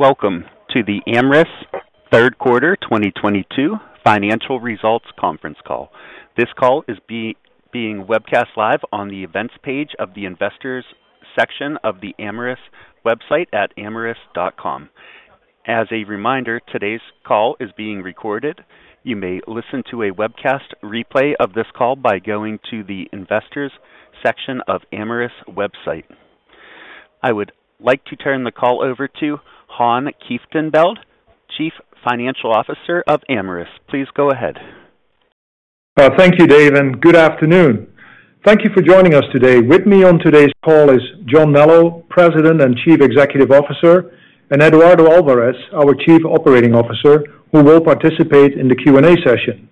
Welcome to the Amyris Third Quarter 2022 financial results conference call. This call is being webcast live on the events page of the investors section of the Amyris website at amyris.com. As a reminder, today's call is being recorded. You may listen to a webcast replay of this call by going to the investors section of Amyris website. I would like to turn the call over to Han Kieftenbeld, Chief Financial Officer of Amyris. Please go ahead. Thank you, Dave, and good afternoon. Thank you for joining us today. With me on today's call is John Melo, President and Chief Executive Officer, and Eduardo Alvarez, our Chief Operating Officer, who will participate in the Q&A session.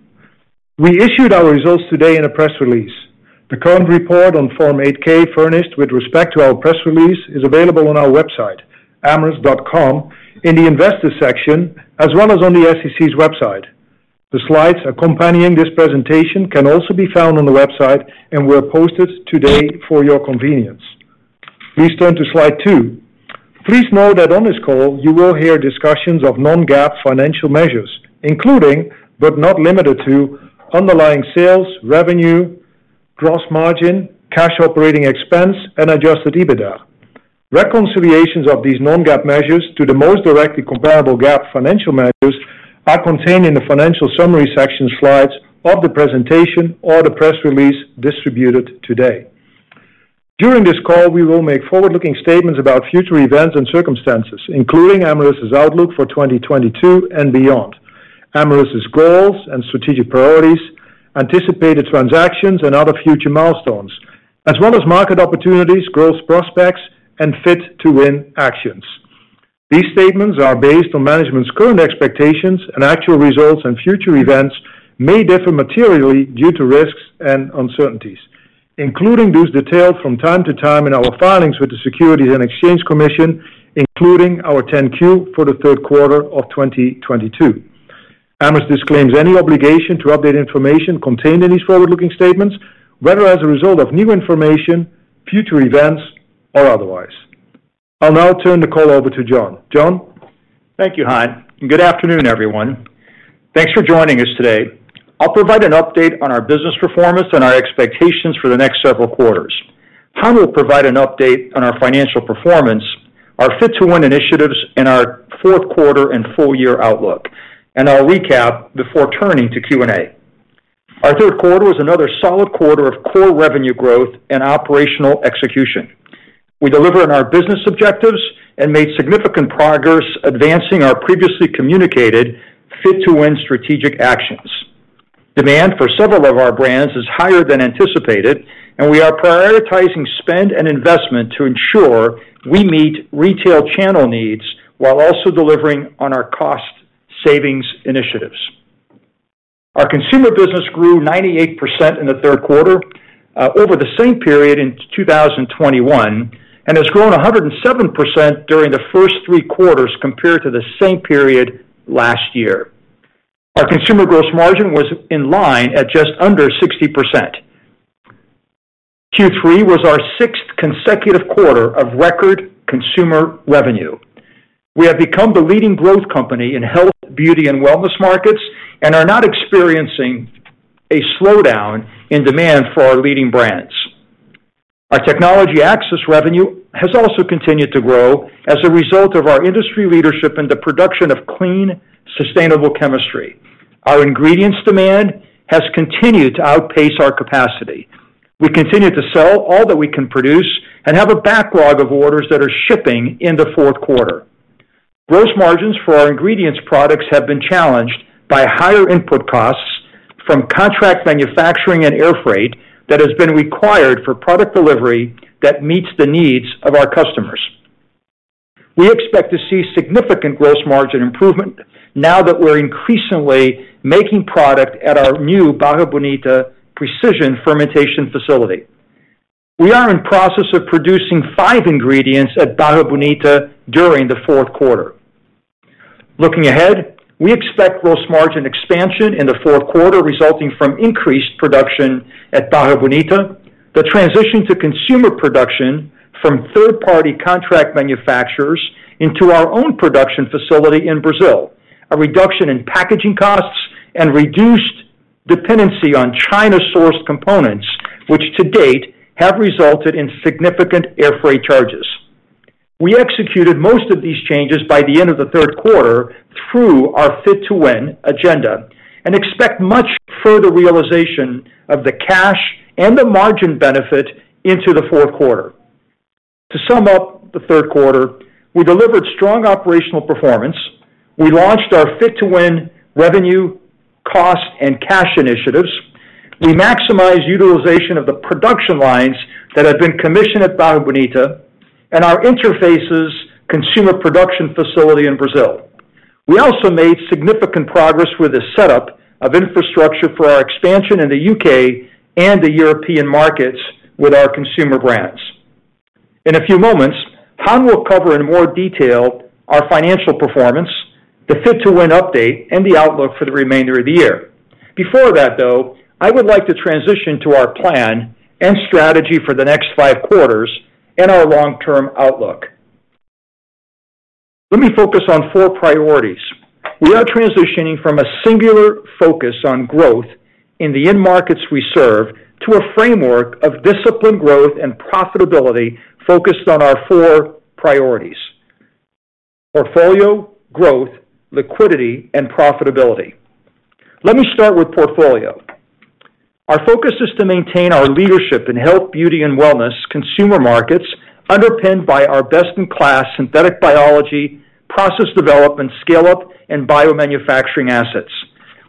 We issued our results today in a press release. The current report on Form 8-K furnished with respect to our press release is available on our website, amyris.com, in the investors section, as well as on the SEC's website. The slides accompanying this presentation can also be found on the website and were posted today for your convenience. Please turn to Slide 2. Please note that on this call you will hear discussions of non-GAAP financial measures, including, but not limited to underlying sales, revenue, gross margin, cash operating expense, and adjusted EBITDA. Reconciliations of these non-GAAP measures to the most directly comparable GAAP financial measures are contained in the financial summary section slides of the presentation or the press release distributed today. During this call, we will make forward-looking statements about future events and circumstances, including Amyris's outlook for 2022 and beyond, Amyris's goals and strategic priorities, anticipated transactions and other future milestones, as well as market opportunities, growth prospects, and Fit to Win actions. These statements are based on management's current expectations and actual results, and future events may differ materially due to risks and uncertainties, including those detailed from time to time in our filings with the Securities and Exchange Commission, including our 10-Q for the third quarter of 2022. Amyris disclaims any obligation to update information contained in these forward-looking statements, whether as a result of new information, future events, or otherwise. I'll now turn the call over to John. John? Thank you, Han, and good afternoon, everyone. Thanks for joining us today. I'll provide an update on our business performance and our expectations for the next several quarters. Han will provide an update on our financial performance, our Fit to Win initiatives, and our fourth quarter and full year outlook. I'll recap before turning to Q&A. Our third quarter was another solid quarter of core revenue growth and operational execution. We delivered on our business objectives and made significant progress advancing our previously communicated Fit to Win strategic actions. Demand for several of our brands is higher than anticipated, and we are prioritizing spend and investment to ensure we meet retail channel needs while also delivering on our cost savings initiatives. Our consumer business grew 98% in the third quarter over the same period in 2021, and has grown 107% during the first 3 quarters compared to the same period last year. Our consumer gross margin was in line at just under 60%. Q3 was our 6th consecutive quarter of record consumer revenue. We have become the leading growth company in health, beauty, and wellness markets and are not experiencing a slowdown in demand for our leading brands. Our technology access revenue has also continued to grow as a result of our industry leadership in the production of clean, sustainable chemistry. Our ingredients demand has continued to outpace our capacity. We continue to sell all that we can produce and have a backlog of orders that are shipping in the fourth quarter. Gross margins for our ingredients products have been challenged by higher input costs from contract manufacturing and airfreight that has been required for product delivery that meets the needs of our customers. We expect to see significant gross margin improvement now that we're increasingly making product at our new Barra Bonita precision fermentation facility. We are in the process of producing five ingredients at Barra Bonita during the fourth quarter. Looking ahead, we expect gross margin expansion in the fourth quarter, resulting from increased production at Barra Bonita, the transition to consumer production from third-party contract manufacturers into our own production facility in Brazil, a reduction in packaging costs, and reduced dependency on China-sourced components, which to date have resulted in significant airfreight charges. We executed most of these changes by the end of the third quarter through our Fit to Win agenda and expect much further realization of the cash and the margin benefit into the fourth quarter. To sum up the third quarter, we delivered strong operational performance. We launched our Fit to Win revenue, cost, and cash initiatives. We maximize utilization of the production lines that have been commissioned at Barra Bonita and our Interfaces consumer production facility in Brazil. We also made significant progress with the setup of infrastructure for our expansion in the UK and the European markets with our consumer brands. In a few moments, Han will cover in more detail our financial performance. The Fit to Win update and the outlook for the remainder of the year. Before that, though, I would like to transition to our plan and strategy for the next five quarters and our long-term outlook. Let me focus on four priorities. We are transitioning from a singular focus on growth in the end markets we serve to a framework of disciplined growth and profitability focused on our four priorities, portfolio, growth, liquidity, and profitability. Let me start with portfolio. Our focus is to maintain our leadership in health, beauty, and wellness consumer markets, underpinned by our best-in-class synthetic biology, process development, scale-up, and biomanufacturing assets.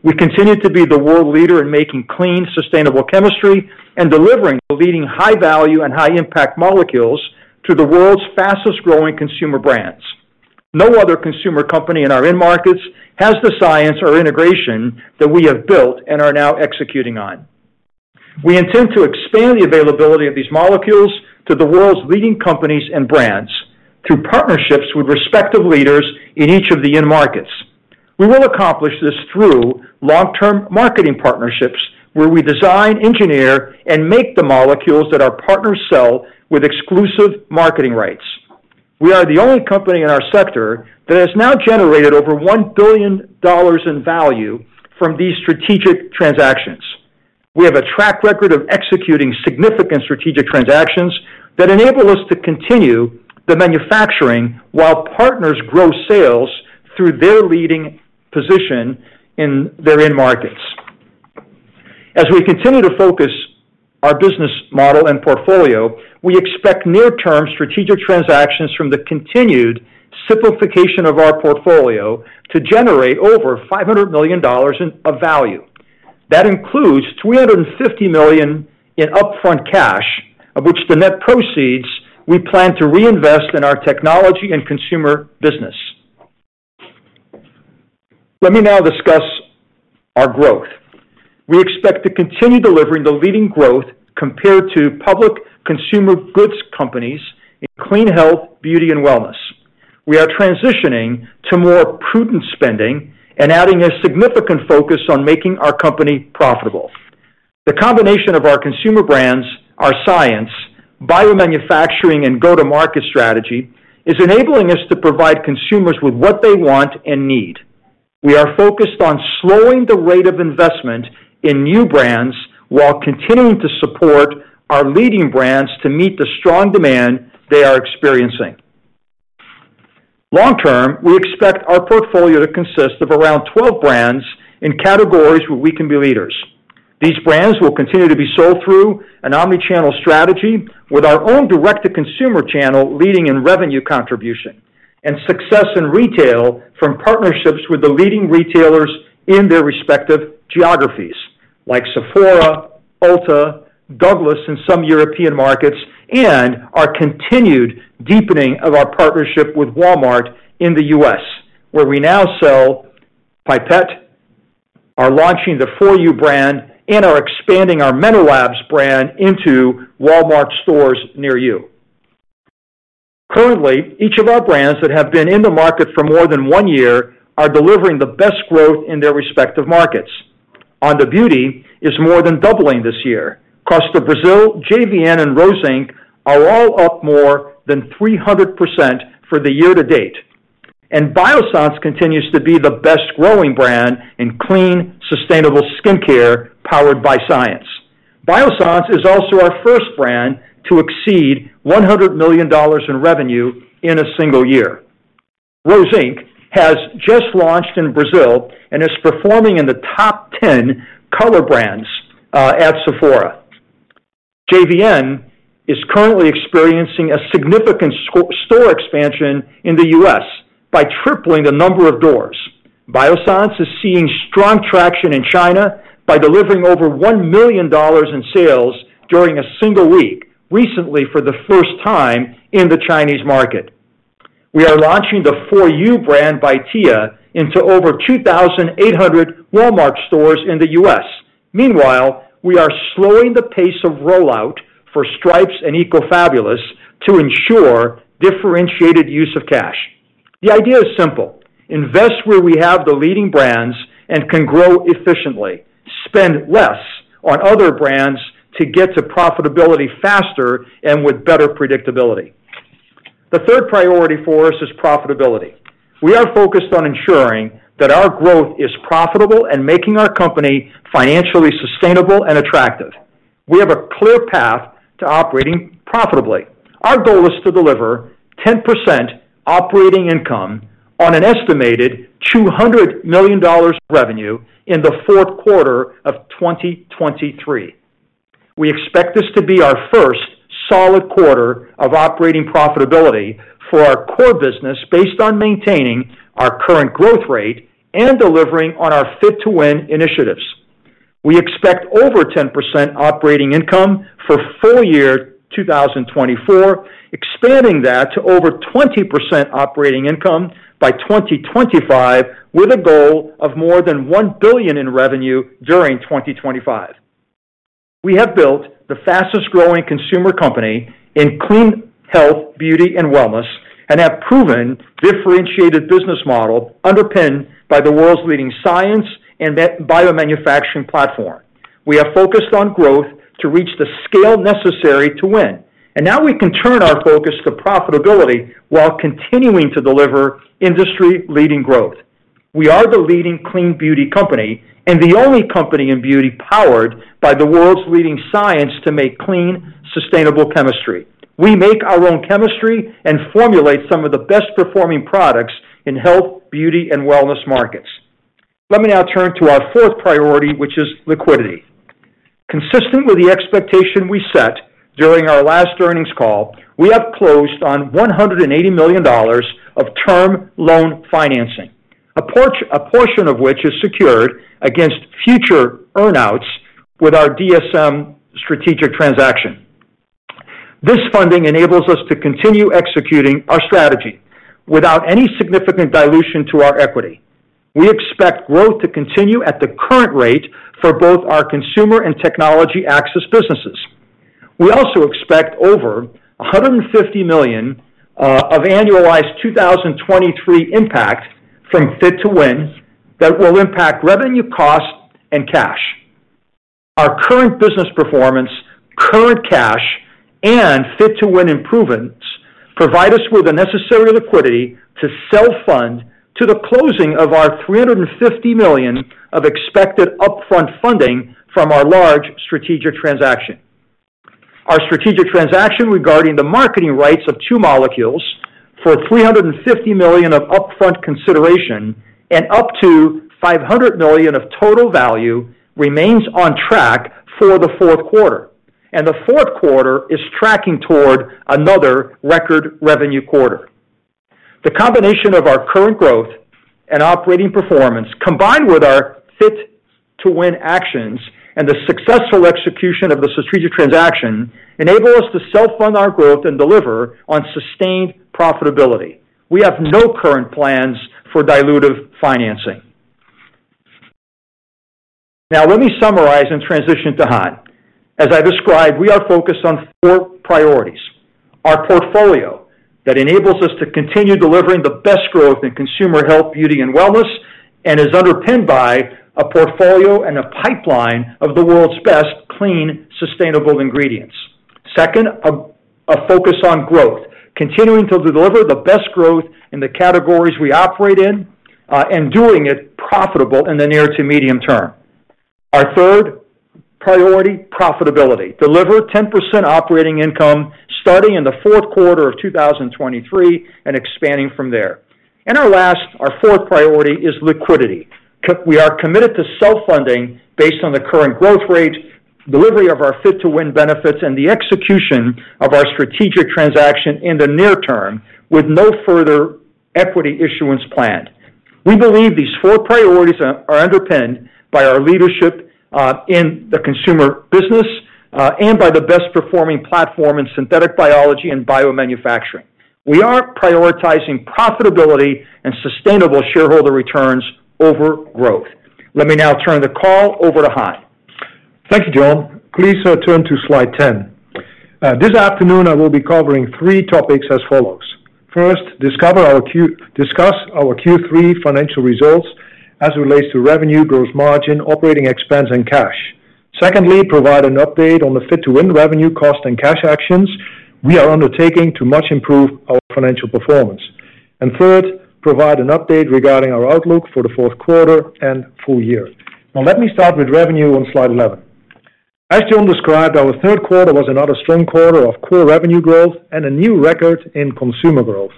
We continue to be the world leader in making clean, sustainable chemistry and delivering the leading high-value and high-impact molecules to the world's fastest-growing consumer brands. No other consumer company in our end markets has the science or integration that we have built and are now executing on. We intend to expand the availability of these molecules to the world's leading companies and brands through partnerships with respective leaders in each of the end markets. We will accomplish this through long-term marketing partnerships where we design, engineer, and make the molecules that our partners sell with exclusive marketing rights. We are the only company in our sector that has now generated over $1 billion in value from these strategic transactions. We have a track record of executing significant strategic transactions that enable us to continue the manufacturing while partners grow sales through their leading position in their end markets. As we continue to focus our business model and portfolio, we expect near-term strategic transactions from the continued simplification of our portfolio to generate over $500 million in value. That includes $350 million in upfront cash, of which the net proceeds we plan to reinvest in our technology and consumer business. Let me now discuss our growth. We expect to continue delivering the leading growth compared to public consumer goods companies in clean health, beauty, and wellness. We are transitioning to more prudent spending and adding a significant focus on making our company profitable. The combination of our consumer brands, our science, biomanufacturing, and go-to-market strategy is enabling us to provide consumers with what they want and need. We are focused on slowing the rate of investment in new brands while continuing to support our leading brands to meet the strong demand they are experiencing. Long term, we expect our portfolio to consist of around 12 brands in categories where we can be leaders. These brands will continue to be sold through an omni-channel strategy with our own direct-to-consumer channel leading in revenue contribution and success in retail from partnerships with the leading retailers in their respective geographies, like Sephora, Ulta, Douglas in some European markets, and our continued deepening of our partnership with Walmart in the U.S., where we now sell Pipette, are launching 4U brand, and are expanding our MenoLabs brand into Walmart stores near you. Currently, each of our brands that have been in the market for more than one year are delivering the best growth in their respective markets. Our beauty is more than doubling this year. Costa Brazil, JVN, and Rose Inc. are all up more than 300% for the year to date. Biossance continues to be the best-growing brand in clean, sustainable skincare powered by science. Biossance is also our first brand to exceed $100 million in revenue in a single year. Rose Inc. has just launched in Brazil and is performing in the top 10 color brands at Sephora. JVN is currently experiencing a significant store expansion in the U.S. by tripling the number of doors. Biossance is seeing strong traction in China by delivering over $1 million in sales during a single week, recently for the first time in the Chinese market. We are launching the 4U brand by Tia into over 2,800 Walmart stores in the U.S. Meanwhile, we are slowing the pace of rollout for Stripes and EcoFabulous to ensure differentiated use of cash. The idea is simple. Invest where we have the leading brands and can grow efficiently. Spend less on other brands to get to profitability faster and with better predictability. The third priority for us is profitability. We are focused on ensuring that our growth is profitable and making our company financially sustainable and attractive. We have a clear path to operating profitably. Our goal is to deliver 10% operating income on an estimated $200 million revenue in the fourth quarter of 2023. We expect this to be our first solid quarter of operating profitability for our core business based on maintaining our current growth rate and delivering on our Fit to Win initiatives. We expect over 10% operating income for full year 2024, expanding that to over 20% operating income by 2025, with a goal of more than $1 billion in revenue during 2025. We have built the fastest-growing consumer company in clean health, beauty, and wellness, and have proven differentiated business model underpinned by the world's leading science and bio-manufacturing platform. We have focused on growth to reach the scale necessary to win, and now we can turn our focus to profitability while continuing to deliver industry-leading growth. We are the leading clean beauty company and the only company in beauty powered by the world's leading science to make clean, sustainable chemistry. We make our own chemistry and formulate some of the best-performing products in health, beauty, and wellness markets. Let me now turn to our fourth priority, which is liquidity. Consistent with the expectation we set during our last earnings call, we have closed on $180 million of term loan financing, a portion of which is secured against future earn-outs with our DSM strategic transaction. This funding enables us to continue executing our strategy without any significant dilution to our equity. We expect growth to continue at the current rate for both our consumer and technology access businesses. We also expect over $150 million of annualized 2023 impact from Fit to Win that will impact revenue, costs, and cash. Our current business performance, current cash, and Fit to Win improvements provide us with the necessary liquidity to self-fund to the closing of our $350 million of expected upfront funding from our large strategic transaction. Our strategic transaction regarding the marketing rights of two molecules for $350 million of upfront consideration and up to $500 million of total value remains on track for the fourth quarter, and the fourth quarter is tracking toward another record revenue quarter. The combination of our current growth and operating performance, combined with our Fit to Win actions and the successful execution of the strategic transaction, enable us to self-fund our growth and deliver on sustained profitability. We have no current plans for dilutive financing. Now, let me summarize and transition to Han. As I described, we are focused on four priorities: our portfolio that enables us to continue delivering the best growth in consumer health, beauty, and wellness, and is underpinned by a portfolio and a pipeline of the world's best clean, sustainable ingredients. Second, a focus on growth, continuing to deliver the best growth in the categories we operate in, and doing it profitably in the near to medium term. Our third priority, profitability. Deliver 10% operating income starting in the fourth quarter of 2023 and expanding from there. Our last, our fourth priority, is liquidity. We are committed to self-funding based on the current growth rate, delivery of our Fit to Win benefits, and the execution of our strategic transaction in the near term with no further equity issuance planned. We believe these four priorities are underpinned by our leadership in the consumer business and by the best performing platform in synthetic biology and biomanufacturing. We are prioritizing profitability and sustainable shareholder returns over growth. Let me now turn the call over to Han. Thank you, John. Please turn to Slide 10. This afternoon, I will be covering three topics as follows. First, discuss our Q3 financial results as it relates to revenue, gross margin, operating expense and cash. Secondly, provide an update on the Fit to Win revenue, cost, and cash actions we are undertaking to much improve our financial performance. Third, provide an update regarding our outlook for the fourth quarter and full year. Now, let me start with revenue on Slide 11. As John described, our third quarter was another strong quarter of core revenue growth and a new record in consumer growth.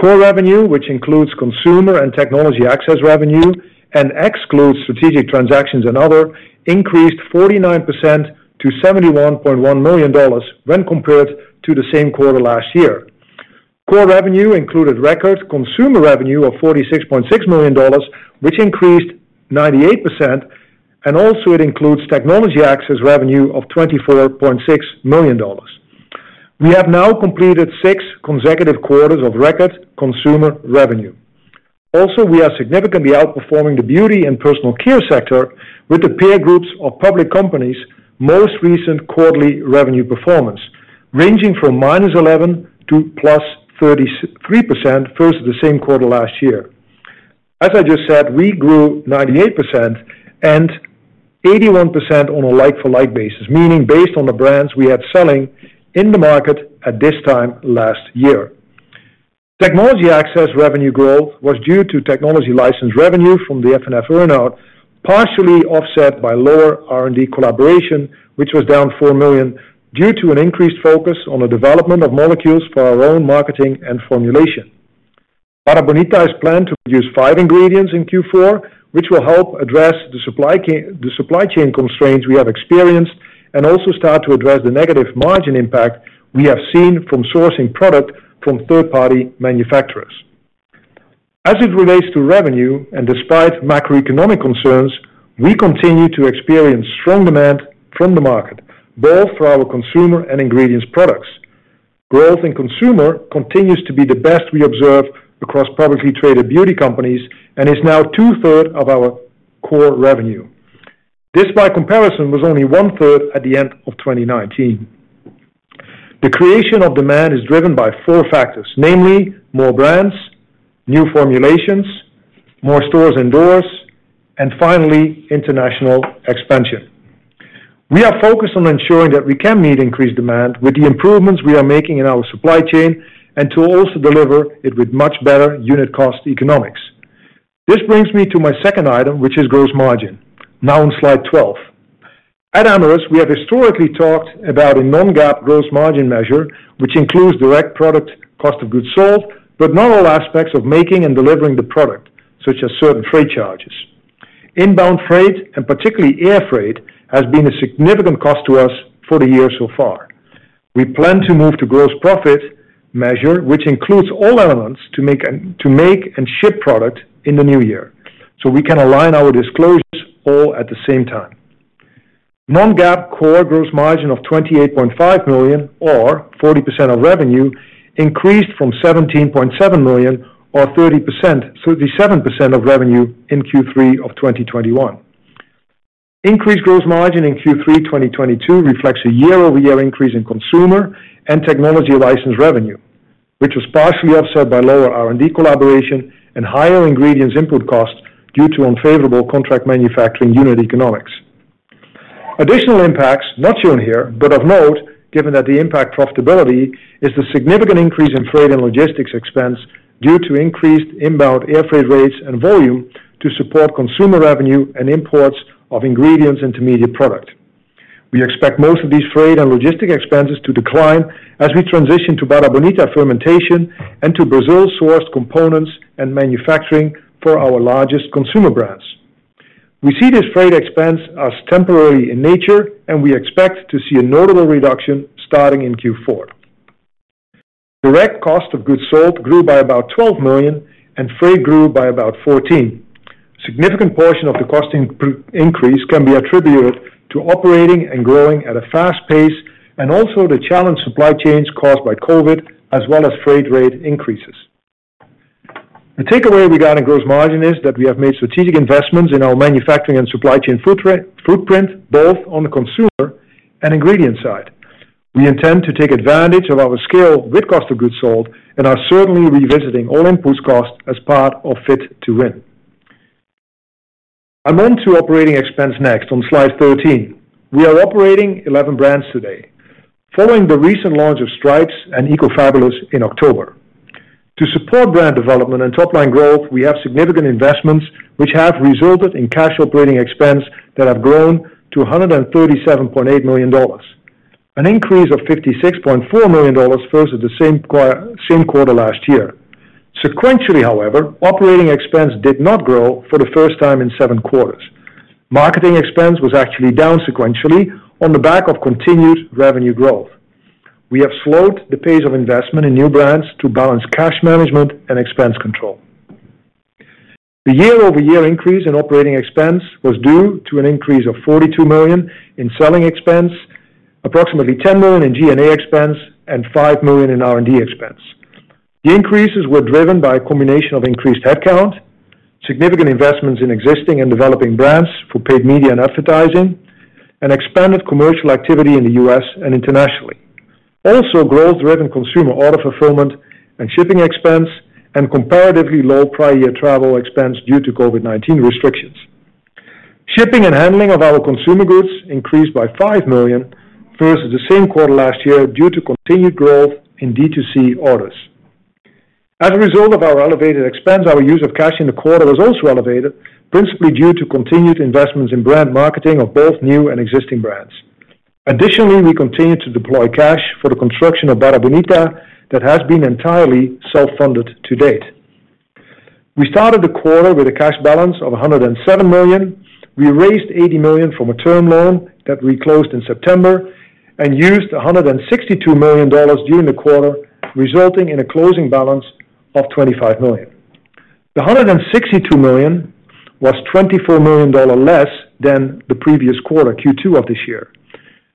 Core revenue, which includes consumer and technology access revenue and excludes strategic transactions and other, increased 49% to $71.1 million when compared to the same quarter last year. Core revenue included record consumer revenue of $46.6 million, which increased 98%, and also it includes technology access revenue of $24.6 million. We have now completed 6 consecutive quarters of record consumer revenue. Also, we are significantly outperforming the beauty and personal care sector with the peer groups of public companies' most recent quarterly revenue performance, ranging from -11% to +33% versus the same quarter last year. As I just said, we grew 98% and 81% on a like-for-like basis, meaning based on the brands we had selling in the market at this time last year. Technology access revenue growth was due to technology license revenue from the F&F earn-out, partially offset by lower R&D collaboration, which was down $4 million due to an increased focus on the development of molecules for our own marketing and formulation. Barra Bonita is planned to produce five ingredients in Q4, which will help address the supply chain constraints we have experienced and also start to address the negative margin impact we have seen from sourcing product from third-party manufacturers. As it relates to revenue, despite macroeconomic concerns, we continue to experience strong demand from the market, both for our consumer and ingredients products. Growth in consumer continues to be the best we observe across publicly traded beauty companies, and is now two-thirds of our core revenue. This by comparison, was only one-third at the end of 2019. The creation of demand is driven by four factors, namely more brands, new formulations, more stores and doors, and finally, international expansion. We are focused on ensuring that we can meet increased demand with the improvements we are making in our supply chain, and to also deliver it with much better unit cost economics. This brings me to my second item, which is gross margin. Now in Slide 12. At Amyris, we have historically talked about a non-GAAP gross margin measure, which includes direct product cost of goods sold, but not all aspects of making and delivering the product, such as certain freight charges. Inbound freight, and particularly air freight, has been a significant cost to us for the year so far. We plan to move to gross profit measure, which includes all elements to make and ship product in the new year, so we can align our disclosures all at the same time. Non-GAAP core gross margin of $28.5 million or 40% of revenue increased from $17.7 million or 37% of revenue in Q3 of 2021. Increased gross margin in Q3 2022 reflects a year-over-year increase in consumer and technology license revenue, which was partially offset by lower R&D collaboration and higher ingredients input costs due to unfavorable contract manufacturing unit economics. Additional impacts, not shown here, but of note, given the impact on profitability, is the significant increase in freight and logistics expense due to increased inbound airfreight rates and volume to support consumer revenue and imports of ingredients intermediate product. We expect most of these freight and logistics expenses to decline as we transition to Barra Bonita fermentation and to Brazil sourced components and manufacturing for our largest consumer brands. We see this freight expense as temporary in nature, and we expect to see a notable reduction starting in Q4. Direct cost of goods sold grew by about $12 million and freight grew by about $14 million. Significant portion of the cost increase can be attributed to operating and growing at a fast pace and also the challenged supply chains caused by COVID, as well as freight rate increases. The takeaway regarding gross margin is that we have made strategic investments in our manufacturing and supply chain footprint, both on the consumer and ingredient side. We intend to take advantage of our scale with cost of goods sold and are certainly revisiting all inputs costs as part of Fit to Win. I'm on to operating expense next on Slide 13. We are operating 11 brands today. Following the recent launch of Stripes and EcoFabulous in October. To support brand development and top line growth, we have significant investments which have resulted in cash operating expense that have grown to $137.8 million, an increase of $56.4 million versus the same quarter last year. Sequentially, however, operating expense did not grow for the first time in 7 quarters. Marketing expense was actually down sequentially on the back of continued revenue growth. We have slowed the pace of investment in new brands to balance cash management and expense control. The year-over-year increase in operating expense was due to an increase of $42 million in selling expense, approximately $10 million in G&A expense, and $5 million in R&D expense. The increases were driven by a combination of increased headcount, significant investments in existing and developing brands for paid media and advertising, and expanded commercial activity in the U.S. and internationally. Also, growth-driven consumer order fulfillment and shipping expense and comparatively low prior year travel expense due to COVID-19 restrictions. Shipping and handling of our consumer goods increased by $5 million versus the same quarter last year due to continued growth in D2C orders. As a result of our elevated expense, our use of cash in the quarter was also elevated, principally due to continued investments in brand marketing of both new and existing brands. Additionally, we continued to deploy cash for the construction of Barra Bonita that has been entirely self-funded to date. We started the quarter with a cash balance of $107 million. We raised $80 million from a term loan that we closed in September and used $162 million during the quarter, resulting in a closing balance of $25 million. The $162 million was $24 million dollars less than the previous quarter, Q2 of this year.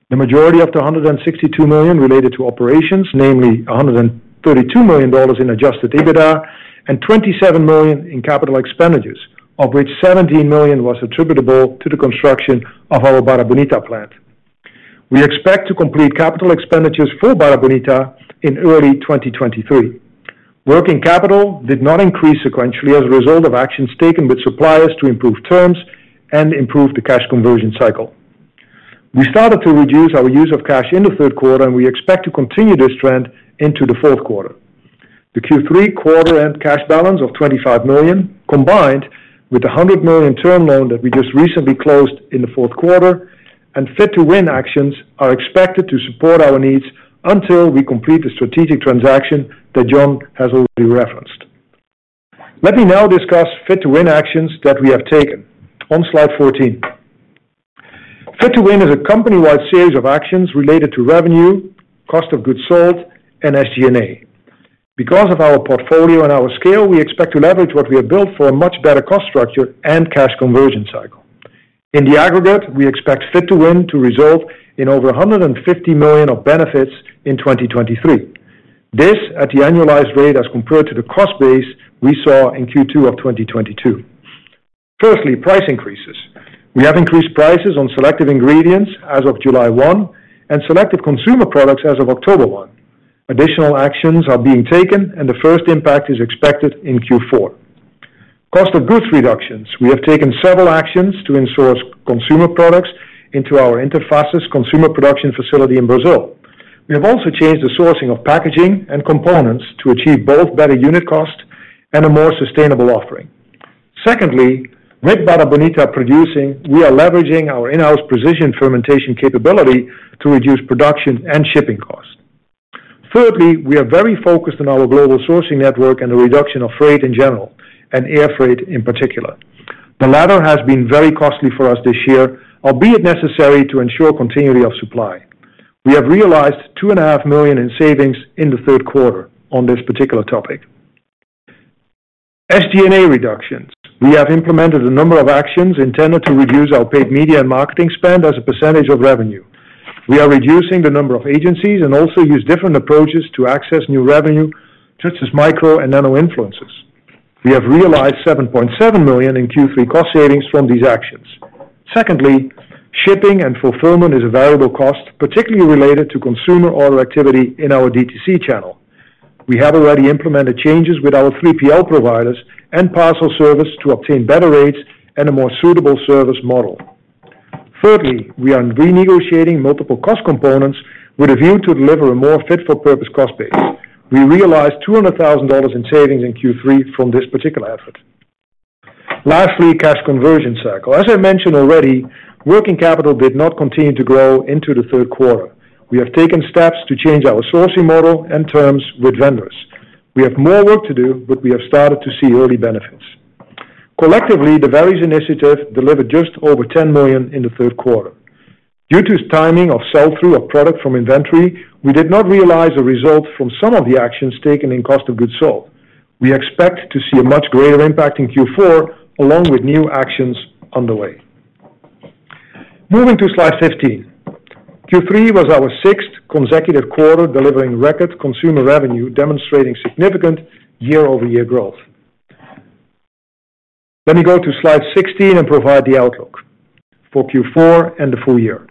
The majority of the $162 million related to operations, namely $132 million in adjusted EBITDA and $27 million in capital expenditures, of which $17 million was attributable to the construction of our Barra Bonita plant. We expect to complete capital expenditures for Barra Bonita in early 2023. Working capital did not increase sequentially as a result of actions taken with suppliers to improve terms and improve the cash conversion cycle. We started to reduce our use of cash in the third quarter, and we expect to continue this trend into the fourth quarter. The Q3 quarter end cash balance of $25 million, combined with a $100 million term loan that we just recently closed in the fourth quarter and Fit to Win actions are expected to support our needs until we complete the strategic transaction that John has already referenced. Let me now discuss Fit to Win actions that we have taken on Slide 14. Fit to Win is a company-wide series of actions related to revenue, cost of goods sold, and SG&A. Because of our portfolio and our scale, we expect to leverage what we have built for a much better cost structure and cash conversion cycle. In the aggregate, we expect Fit to Win to result in over $150 million of benefits in 2023. This at the annualized rate as compared to the cost base we saw in Q2 of 2022. Firstly, price increases. We have increased prices on selective ingredients as of July 1 and selective consumer products as of October 1. Additional actions are being taken and the first impact is expected in Q4. Cost of goods reductions. We have taken several actions to in-source consumer products into our Interfaces consumer production facility in Brazil. We have also changed the sourcing of packaging and components to achieve both better unit cost and a more sustainable offering. Secondly, with Barra Bonita producing, we are leveraging our in-house precision fermentation capability to reduce production and shipping costs. Thirdly, we are very focused on our global sourcing network and the reduction of freight in general, and air freight in particular. The latter has been very costly for us this year, albeit necessary to ensure continuity of supply. We have realized $2.5 million in savings in the third quarter on this particular topic. SG&A reductions. We have implemented a number of actions intended to reduce our paid media and marketing spend as a percentage of revenue. We are reducing the number of agencies and also use different approaches to access new revenue, such as micro and nano influencers. We have realized $7.7 million in Q3 cost savings from these actions. Secondly, shipping and fulfillment is a variable cost, particularly related to consumer order activity in our DTC channel. We have already implemented changes with our 3PL providers and parcel service to obtain better rates and a more suitable service model. Thirdly, we are renegotiating multiple cost components with a view to deliver a more fit for purpose cost base. We realized $200,000 in savings in Q3 from this particular effort. Lastly, cash conversion cycle. As I mentioned already, working capital did not continue to grow into the third quarter. We have taken steps to change our sourcing model and terms with vendors. We have more work to do, but we have started to see early benefits. Collectively, the various initiatives delivered just over $10 million in the third quarter. Due to timing of sell-through of product from inventory, we did not realize the results from some of the actions taken in cost of goods sold. We expect to see a much greater impact in Q4 along with new actions underway. Moving to Slide 15. Q3 was our sixth consecutive quarter delivering record consumer revenue, demonstrating significant year-over-year growth. Let me go to Slide 16 and provide the outlook for Q4 and the full year.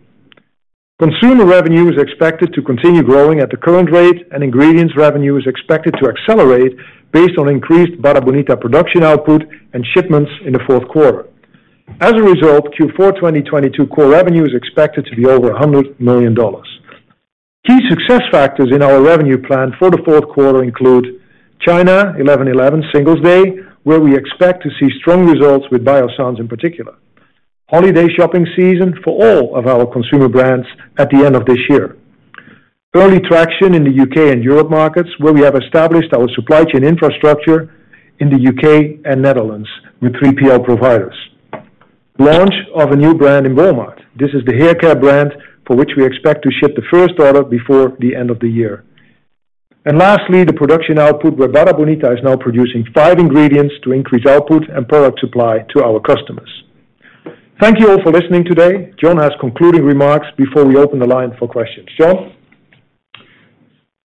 Consumer revenue is expected to continue growing at the current rate, and ingredients revenue is expected to accelerate based on increased Barra Bonita production output and shipments in the fourth quarter. As a result, Q4 2022 core revenue is expected to be over $100 million. Key success factors in our revenue plan for the fourth quarter include China 11/11 Singles' Day, where we expect to see strong results with Biossance in particular. Holiday shopping season for all of our consumer brands at the end of this year. Early traction in the UK and Europe markets, where we have established our supply chain infrastructure in the UK and Netherlands with 3PL providers. Launch of a new brand in Walmart. This is the haircare brand for which we expect to ship the first order before the end of the year. Lastly, the production output, where Barra Bonita is now producing five ingredients to increase output and product supply to our customers. Thank you all for listening today. John has concluding remarks before we open the line for questions. John?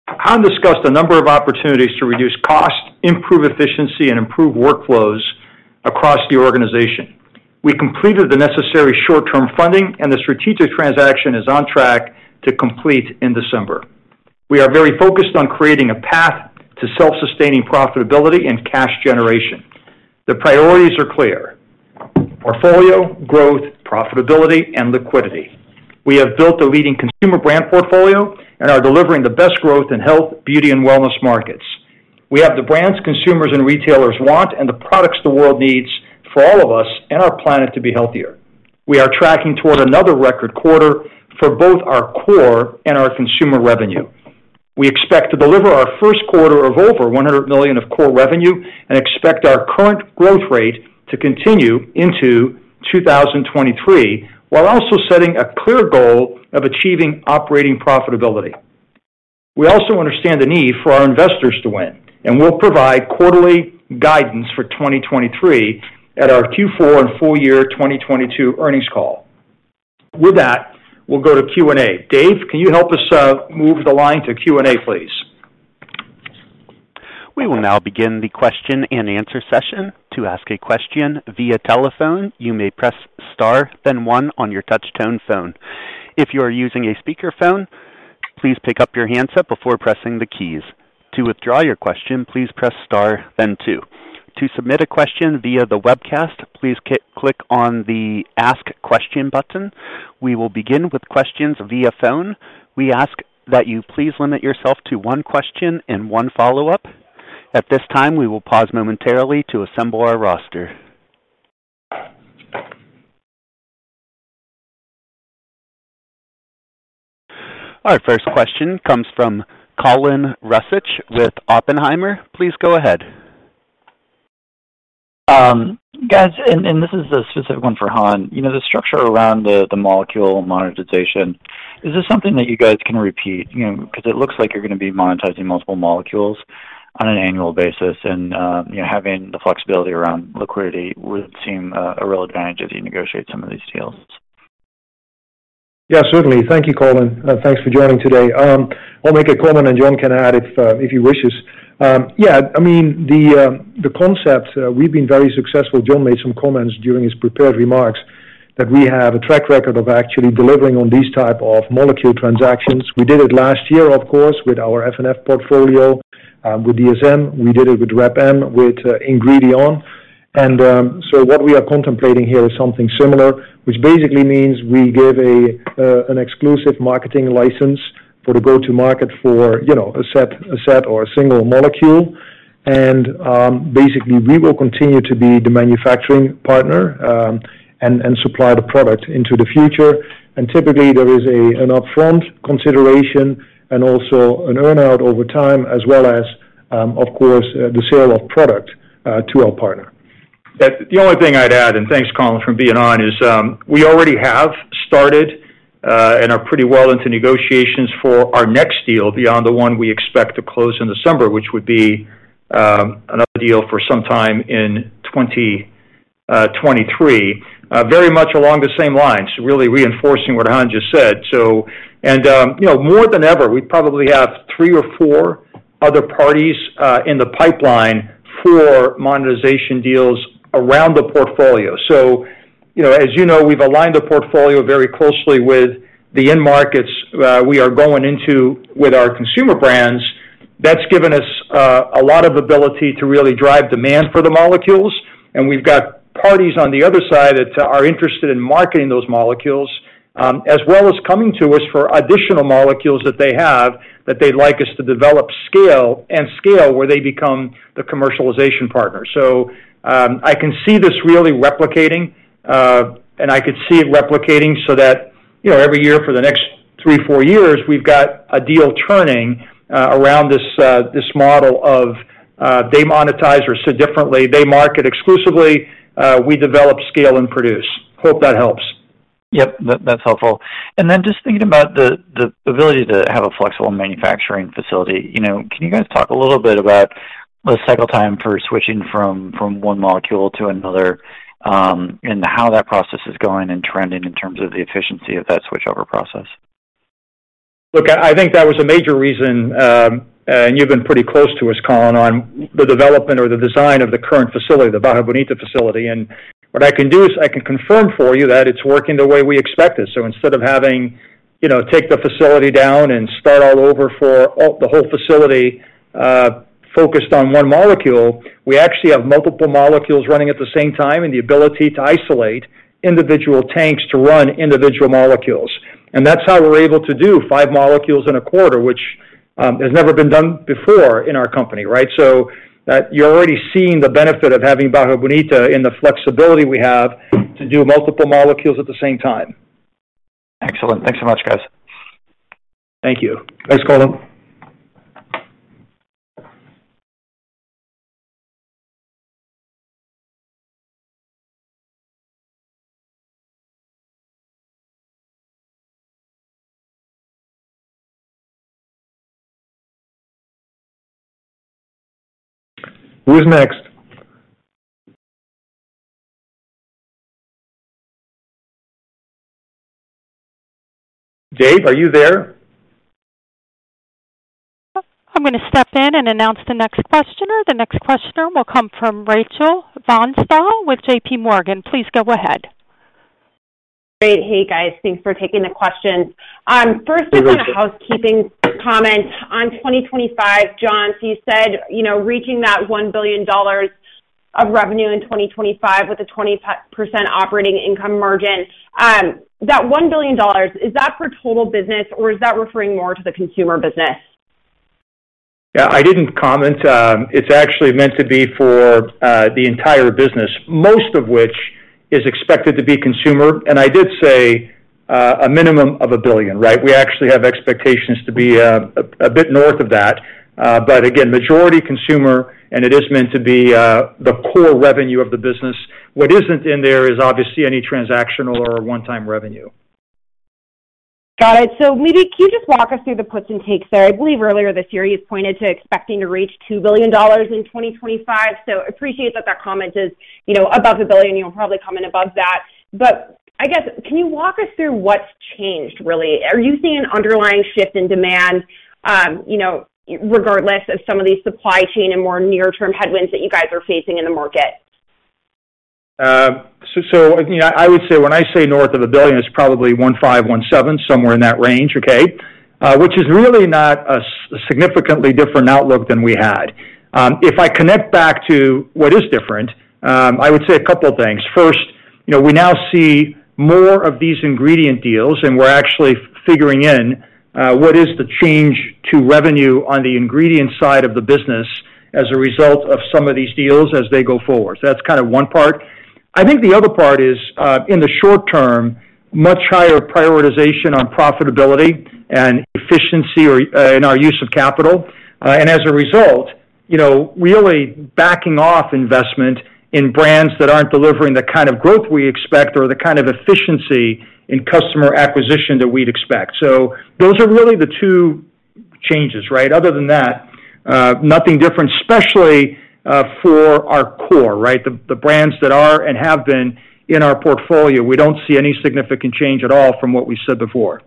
Han discussed a number of opportunities to reduce cost, improve efficiency, and improve workflows across the organization. We completed the necessary short-term funding, and the strategic transaction is on track to complete in December. We are very focused on creating a path to self-sustaining profitability and cash generation. The priorities are clear, portfolio, growth, profitability, and liquidity. We have built a leading consumer brand portfolio and are delivering the best growth in health, beauty, and wellness markets. We have the brands consumers and retailers want and the products the world needs for all of us and our planet to be healthier. We are tracking toward another record quarter for both our core and our consumer revenue. We expect to deliver our first quarter of over $100 million of core revenue and expect our current growth rate to continue into 2023, while also setting a clear goal of achieving operating profitability. We also understand the need for our investors to win, and we'll provide quarterly guidance for 2023 at our Q4 and full year 2022 earnings call. With that, we'll go to Q&A. Dave, can you help us, move the line to Q&A, please? We will now begin the question-and-answer session. To ask a question via telephone, you may press star, then 1 on your touch-tone phone. If you are using a speakerphone, please pick up your handset before pressing the keys. To withdraw your question, please press star then 2. To submit a question via the webcast, please click on the Ask Question button. We will begin with questions via phone. We ask that you please limit yourself to one question and one follow-up. At this time, we will pause momentarily to assemble our roster. Our first question comes from Colin Rusch with Oppenheimer. Please go ahead. Guys, this is a specific one for Han. You know, the structure around the molecule monetization, is this something that you guys can repeat? You know, cause it looks like you're gonna be monetizing multiple molecules. On an annual basis and, you know, having the flexibility around liquidity would seem a real advantage as you negotiate some of these deals. Yeah, certainly. Thank you, Colin, and thanks for joining today. I'll make a comment and John can add if he wishes. Yeah, I mean, the concept, we've been very successful. John made some comments during his prepared remarks that we have a track record of actually delivering on these type of molecule transactions. We did it last year, of course, with our F&F portfolio with DSM. We did it with Raízen, with Ingredion. What we are contemplating here is something similar, which basically means we give an exclusive marketing license for the go-to market for, you know, a set or a single molecule. Basically, we will continue to be the manufacturing partner and supply the product into the future. Typically, there is an upfront consideration and also an earn-out over time, as well as, of course, the sale of product to our partner. That's the only thing I'd add, and thanks, Colin, for being on, is we already have started and are pretty well into negotiations for our next deal beyond the one we expect to close in December, which would be another deal for some time in 2023, very much along the same lines, really reinforcing what Han just said. You know, more than ever, we probably have three or four other parties in the pipeline for monetization deals around the portfolio. You know, as you know, we've aligned the portfolio very closely with the end markets we are going into with our consumer brands. That's given us a lot of ability to really drive demand for the molecules. We've got parties on the other side that are interested in marketing those molecules, as well as coming to us for additional molecules that they have that they'd like us to develop and scale where they become the commercialization partner. I can see this really replicating, and I could see it replicating so that, you know, every year for the next three, four years, we've got a deal turning around this model of they monetize it so differently. They market exclusively, we develop, scale, and produce. Hope that helps. Yep, that's helpful. Then just thinking about the ability to have a flexible manufacturing facility, you know, can you guys talk a little bit about the cycle time for switching from one molecule to another, and how that process is going and trending in terms of the efficiency of that switchover process? Look, I think that was a major reason, and you've been pretty close to us, Colin, on the development or the design of the current facility, the Barra Bonita facility. What I can do is I can confirm for you that it's working the way we expected. Instead of having, you know, take the facility down and start all over for the whole facility focused on one molecule, we actually have multiple molecules running at the same time and the ability to isolate individual tanks to run individual molecules. That's how we're able to do 5 molecules in a quarter, which has never been done before in our company, right? You're already seeing the benefit of having Barra Bonita in the flexibility we have to do multiple molecules at the same time. Excellent. Thanks so much, guys. Thank you. Thanks, Colin. Who's next? Dave, are you there? I'm gonna step in and announce the next questioner. The next questioner will come from Rachel Vatnsdal with J.P. Morgan. Please go ahead. Great. Hey, guys. Thanks for taking the questions. First I got a housekeeping comment. On 2025, John, so you said, you know, reaching that $1 billion of revenue in 2025 with a 20% operating income margin. That $1 billion, is that for total business or is that referring more to the consumer business? Yeah, I didn't comment. It's actually meant to be for the entire business, most of which is expected to be consumer. I did say a minimum of $1 billion, right? We actually have expectations to be a bit north of that. Again, majority consumer, and it is meant to be the core revenue of the business. What isn't in there is obviously any transactional or one-time revenue. Got it. Maybe can you just walk us through the puts and takes there? I believe earlier this year, you pointed to expecting to reach $2 billion in 2025. Appreciate that comment is, you know, above $1 billion. You'll probably comment above that. I guess, can you walk us through what's changed, really? Are you seeing an underlying shift in demand, you know, regardless of some of these supply chain and more near-term headwinds that you guys are facing in the market? You know, I would say when I say north of $1 billion, it's probably $1.5 billion, $1.7 billion, somewhere in that range, okay? Which is really not a significantly different outlook than we had. If I connect back to what is different, I would say a couple things. First, you know, we now see more of these ingredient deals, and we're actually figuring in what is the change to revenue on the ingredient side of the business as a result of some of these deals as they go forward. That's kind of one part. I think the other part is, in the short term, much higher prioritization on profitability and efficiency or in our use of capital. As a result, you know, really backing off investment in brands that aren't delivering the kind of growth we expect or the kind of efficiency in customer acquisition that we'd expect. Those are really the two changes, right? Other than that, nothing different, especially for our core, right? The brands that are and have been in our portfolio, we don't see any significant change at all from what we said before.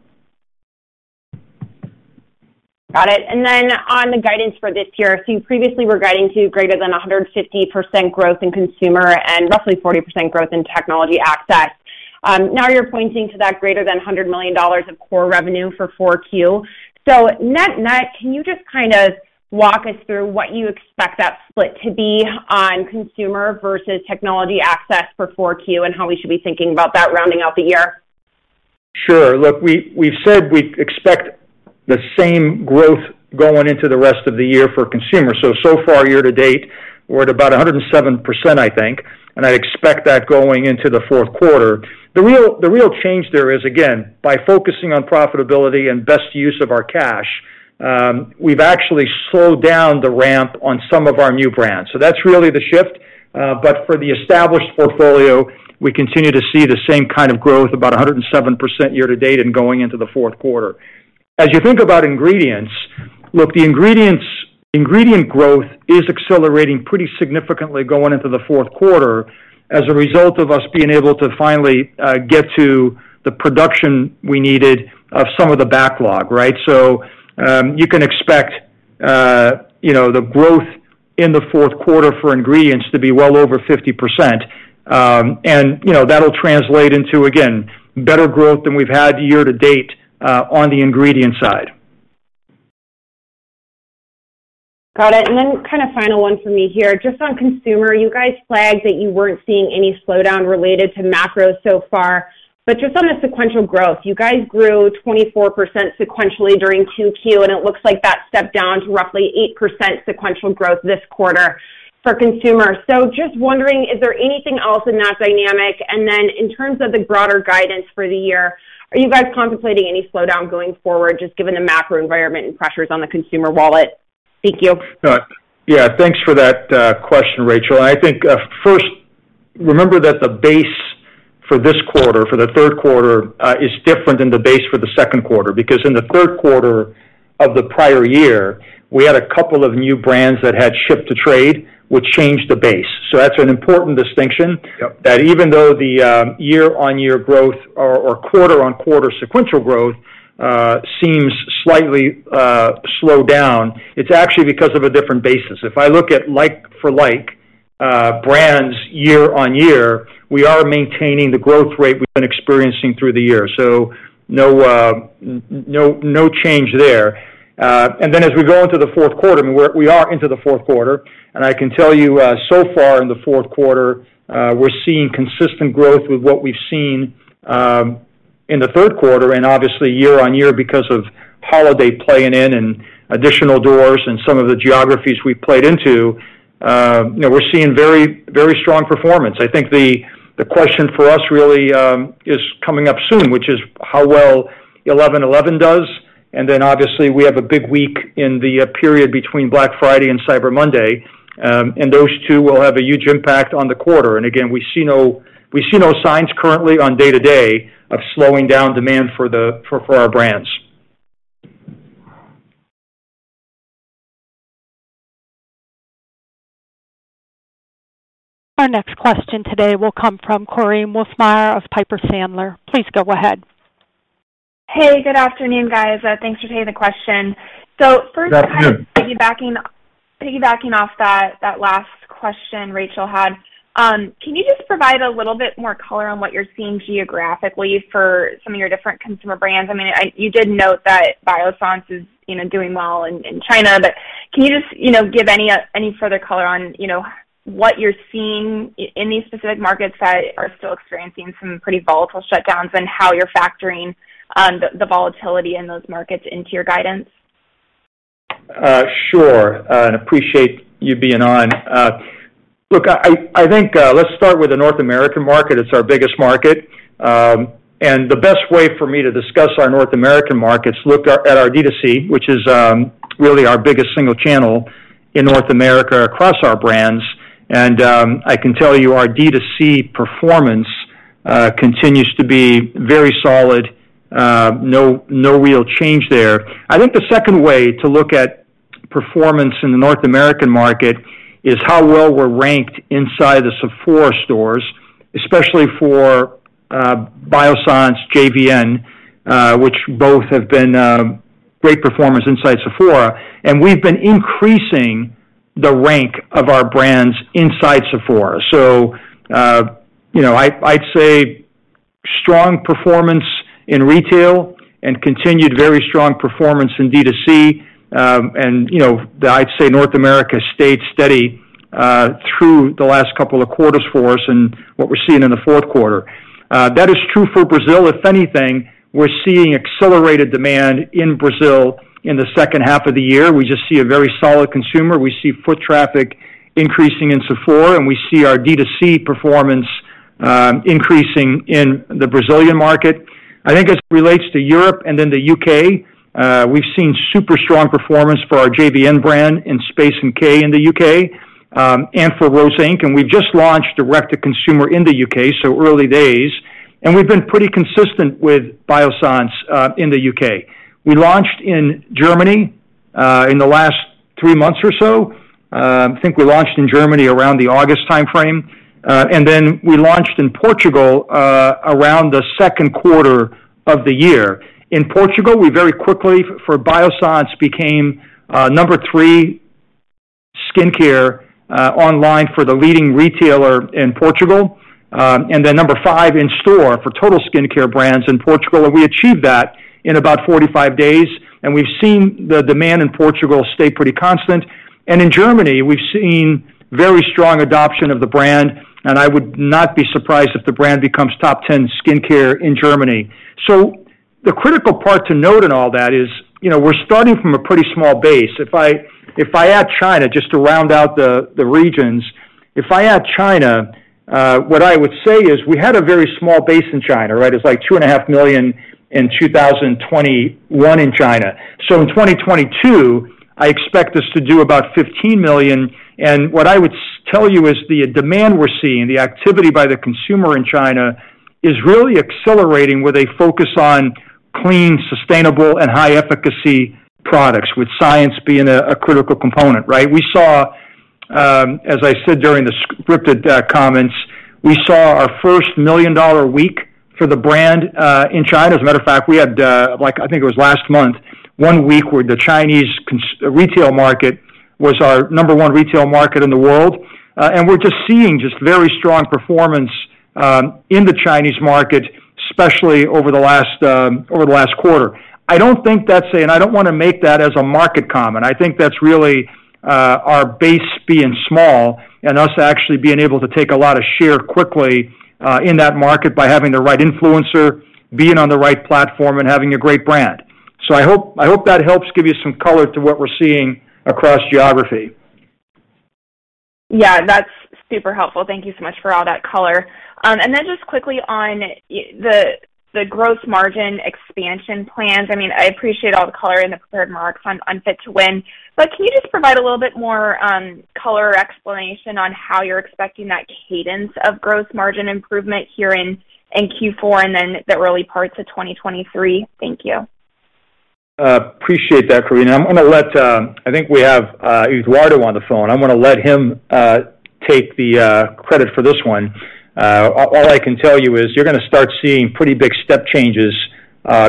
Got it. On the guidance for this year, you previously were guiding to greater than 150% growth in consumer and roughly 40% growth in technology access. Now you're pointing to that greater than $100 million of core revenue for 4Q. Net-net, can you just kind of walk us through what you expect that split to be on consumer versus technology access for 4Q and how we should be thinking about that rounding out the year? Sure. Look, we've said we expect the same growth going into the rest of the year for consumer. So far, year to date, we're at about 107%, I think, and I expect that going into the fourth quarter. The real change there is, again, by focusing on profitability and best use of our cash, we've actually slowed down the ramp on some of our new brands. That's really the shift. For the established portfolio, we continue to see the same kind of growth, about 107% year to date and going into the fourth quarter. As you think about ingredients, look, ingredient growth is accelerating pretty significantly going into the fourth quarter as a result of us being able to finally get to the production we needed of some of the backlog, right? You can expect, you know, the growth in the fourth quarter for ingredients to be well over 50%. You know, that'll translate into, again, better growth than we've had year to date on the ingredient side. Got it. Then kind of final one for me here, just on consumer, you guys flagged that you weren't seeing any slowdown related to macro so far. Just on the sequential growth, you guys grew 24% sequentially during 2Q, and it looks like that stepped down to roughly 8% sequential growth this quarter for consumer. Just wondering, is there anything else in that dynamic? In terms of the broader guidance for the year, are you guys contemplating any slowdown going forward, just given the macro environment and pressures on the consumer wallet? Thank you. Yeah, thanks for that question, Rachel. I think first, remember that the base for this quarter, for the third quarter, is different than the base for the second quarter, because in the third quarter of the prior year, we had a couple of new brands that had shipped to trade, which changed the base. That's an important distinction. Yep. That even though the year-on-year growth or quarter-on-quarter sequential growth seems slightly slowed down, it's actually because of a different basis. If I look at like-for-like brands year-on-year, we are maintaining the growth rate we've been experiencing through the year. No change there. And then as we go into the fourth quarter, I mean, we are into the fourth quarter, and I can tell you, so far in the fourth quarter, we're seeing consistent growth with what we've seen in the third quarter and obviously year-on-year because of holiday playing in and additional doors and some of the geographies we played into, you know, we're seeing very, very strong performance. I think the question for us really is coming up soon, which is how well Singles' Day does. Then obviously we have a big week in the period between Black Friday and Cyber Monday. Those two will have a huge impact on the quarter. Again, we see no signs currently on day-to-day of slowing down demand for our brands. Our next question today will come from Korinne Wolfmeyer of Piper Sandler. Please go ahead. Hey, good afternoon, guys. Thanks for taking the question. Good afternoon. First, kind of piggybacking off that last question Rachel had, can you just provide a little bit more color on what you're seeing geographically for some of your different consumer brands? I mean, you did note that Biossance is, you know, doing well in China. But can you just, you know, give any further color on, you know, what you're seeing in these specific markets that are still experiencing some pretty volatile shutdowns and how you're factoring the volatility in those markets into your guidance? Sure, I appreciate you being on. Look, I think let's start with the North American market. It's our biggest market. The best way for me to discuss our North American markets, look at our D2C, which is really our biggest single channel in North America across our brands. I can tell you our D2C performance continues to be very solid. No real change there. I think the second way to look at performance in the North American market is how well we're ranked inside the Sephora stores, especially for Biossance, JVN, which both have been great performers inside Sephora. We've been increasing the rank of our brands inside Sephora. You know, I'd say strong performance in retail and continued very strong performance in D2C. You know, I'd say North America stayed steady through the last couple of quarters for us and what we're seeing in the fourth quarter. That is true for Brazil. If anything, we're seeing accelerated demand in Brazil in the second half of the year. We just see a very solid consumer. We see foot traffic increasing in Sephora, and we see our D2C performance increasing in the Brazilian market. I think as it relates to Europe and then the UK, we've seen super strong performance for our JVN brand in Space NK in the UK, and for Rose Inc. We've just launched direct-to-consumer in the UK, so early days. We've been pretty consistent with Biossance in the UK. We launched in Germany in the last three months or so. I think we launched in Germany around the August timeframe. We launched in Portugal around the second quarter of the year. In Portugal, we very quickly, for Biossance, became number 3 skincare online for the leading retailer in Portugal, and then number 5 in store for total skincare brands in Portugal. We achieved that in about 45 days, and we've seen the demand in Portugal stay pretty constant. In Germany, we've seen very strong adoption of the brand, and I would not be surprised if the brand becomes top 10 skincare in Germany. The critical part to note in all that is, you know, we're starting from a pretty small base. If I add China, just to round out the regions, if I add China, what I would say is we had a very small base in China, right? It's like $2.5 million in 2021 in China. In 2022, I expect this to do about $15 million. What I would tell you is the demand we're seeing, the activity by the consumer in China is really accelerating, where they focus on clean, sustainable, and high efficacy products, with science being a critical component, right? We saw, as I said during the scripted comments, we saw our first million-dollar week for the brand in China. As a matter of fact, we had, like I think it was last month, one week where the Chinese retail market was our number one retail market in the world. We're seeing very strong performance in the Chinese market, especially over the last quarter. I don't wanna make that as a market comment. I think that's really our base being small and us actually being able to take a lot of share quickly in that market by having the right influencer, being on the right platform, and having a great brand. I hope that helps give you some color to what we're seeing across geography. Yeah, that's super helpful. Thank you so much for all that color. Just quickly on the gross margin expansion plans. I mean, I appreciate all the color in the prepared remarks on Fit to Win, but can you just provide a little bit more color or explanation on how you're expecting that cadence of gross margin improvement here in Q4 and then the early parts of 2023? Thank you. Appreciate that, Korinne. I'm gonna let... I think we have Eduardo on the phone. I'm gonna let him take the credit for this one. All I can tell you is you're gonna start seeing pretty big step changes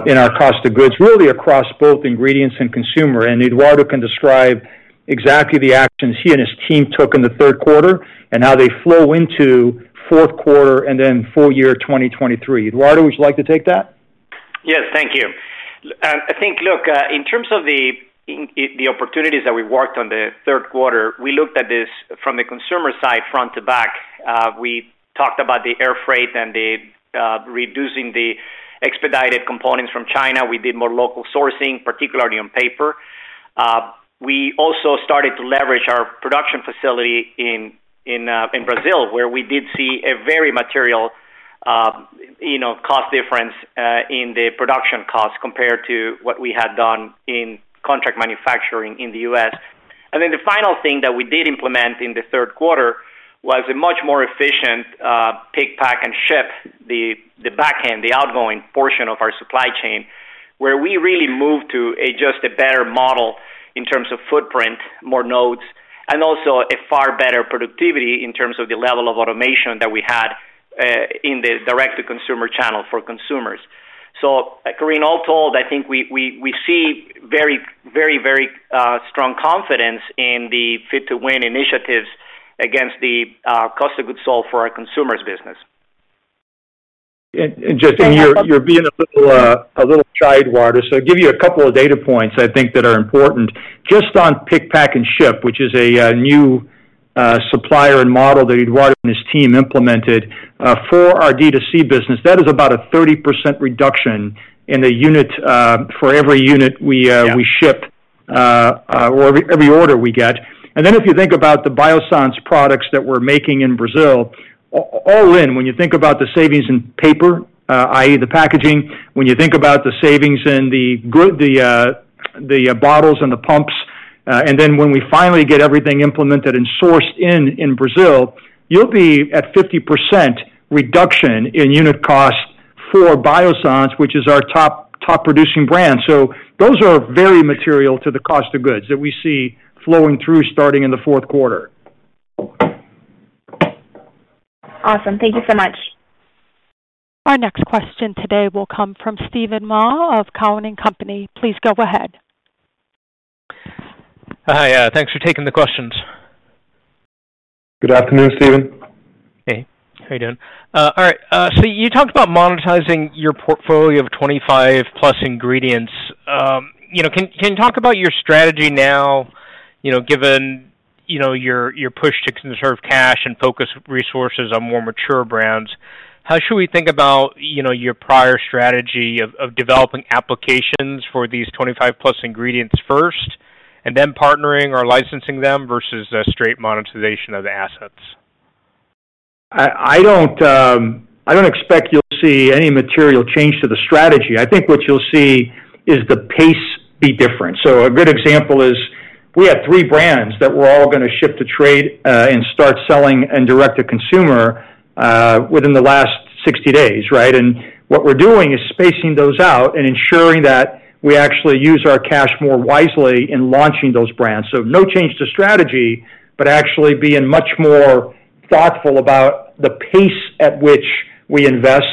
in our cost of goods, really across both ingredients and consumer. Eduardo can describe exactly the actions he and his team took in the third quarter and how they flow into fourth quarter and then full year 2023. Eduardo, would you like to take that? Yes, thank you. I think, look, in terms of the opportunities that we worked on the third quarter, we looked at this from the consumer side, front to back. We talked about the air freight and the reducing the expedited components from China. We did more local sourcing, particularly on paper. We also started to leverage our production facility in Brazil, where we did see a very material, you know, cost difference in the production cost compared to what we had done in contract manufacturing in the U.S. The final thing that we did implement in the third quarter was a much more efficient pick, pack, and ship, the back end, the outgoing portion of our supply chain, where we really moved to just a better model in terms of footprint, more nodes, and also a far better productivity in terms of the level of automation that we had in the direct-to-consumer channel for consumers. Korinne, all told, I think we see very strong confidence in the Fit to Win initiatives against the cost of goods sold for our consumers business. Just, you're being a little shy, Eduardo. Give you a couple of data points I think that are important. Just on pick, pack, and ship, which is a new supplier and model that Eduardo and his team implemented for our D2C business, that is about a 30% reduction in the unit for every unit we ship or every order we get. If you think about the Biossance products that we're making in Brazil, all in, when you think about the savings in paper, i.e., the packaging, when you think about the savings in the bottles and the pumps, and then when we finally get everything implemented and sourced in Brazil, you'll be at 50% reduction in unit cost for Biossance, which is our top producing brand. Those are very material to the cost of goods that we see flowing through starting in the fourth quarter. Awesome. Thank you so much. Our next question today will come from Steven Mah of Cowen and Company. Please go ahead. Hi. Yeah, thanks for taking the questions. Good afternoon, Steven. Hey, how are you doing? All right. You talked about monetizing your portfolio of 25 plus ingredients. You know, can you talk about your strategy now, you know, given, you know, your push to conserve cash and focus resources on more mature brands? How should we think about, you know, your prior strategy of developing applications for these 25 plus ingredients first and then partnering or licensing them versus a straight monetization of assets? I don't expect you'll see any material change to the strategy. I think what you'll see is the pace be different. A good example is. We have three brands that we're all gonna ship to trade, and start selling and direct to consumer, within the last 60 days, right? What we're doing is spacing those out and ensuring that we actually use our cash more wisely in launching those brands. No change to strategy, but actually being much more thoughtful about the pace at which we invest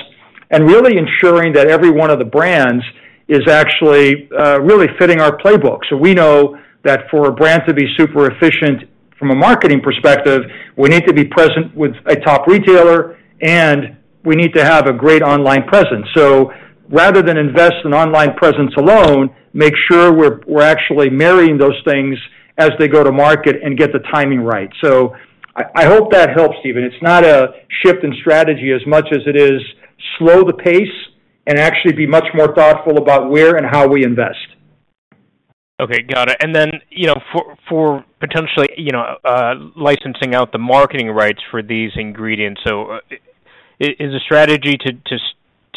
and really ensuring that every one of the brands is actually really fitting our playbook. We know that for a brand to be super efficient from a marketing perspective, we need to be present with a top retailer, and we need to have a great online presence. Rather than invest in online presence alone, make sure we're actually marrying those things as they go to market and get the timing right. I hope that helps, Steven. It's not a shift in strategy as much as it is slow the pace and actually be much more thoughtful about where and how we invest. Okay. Got it. You know, for potentially, you know, licensing out the marketing rights for these ingredients. Is the strategy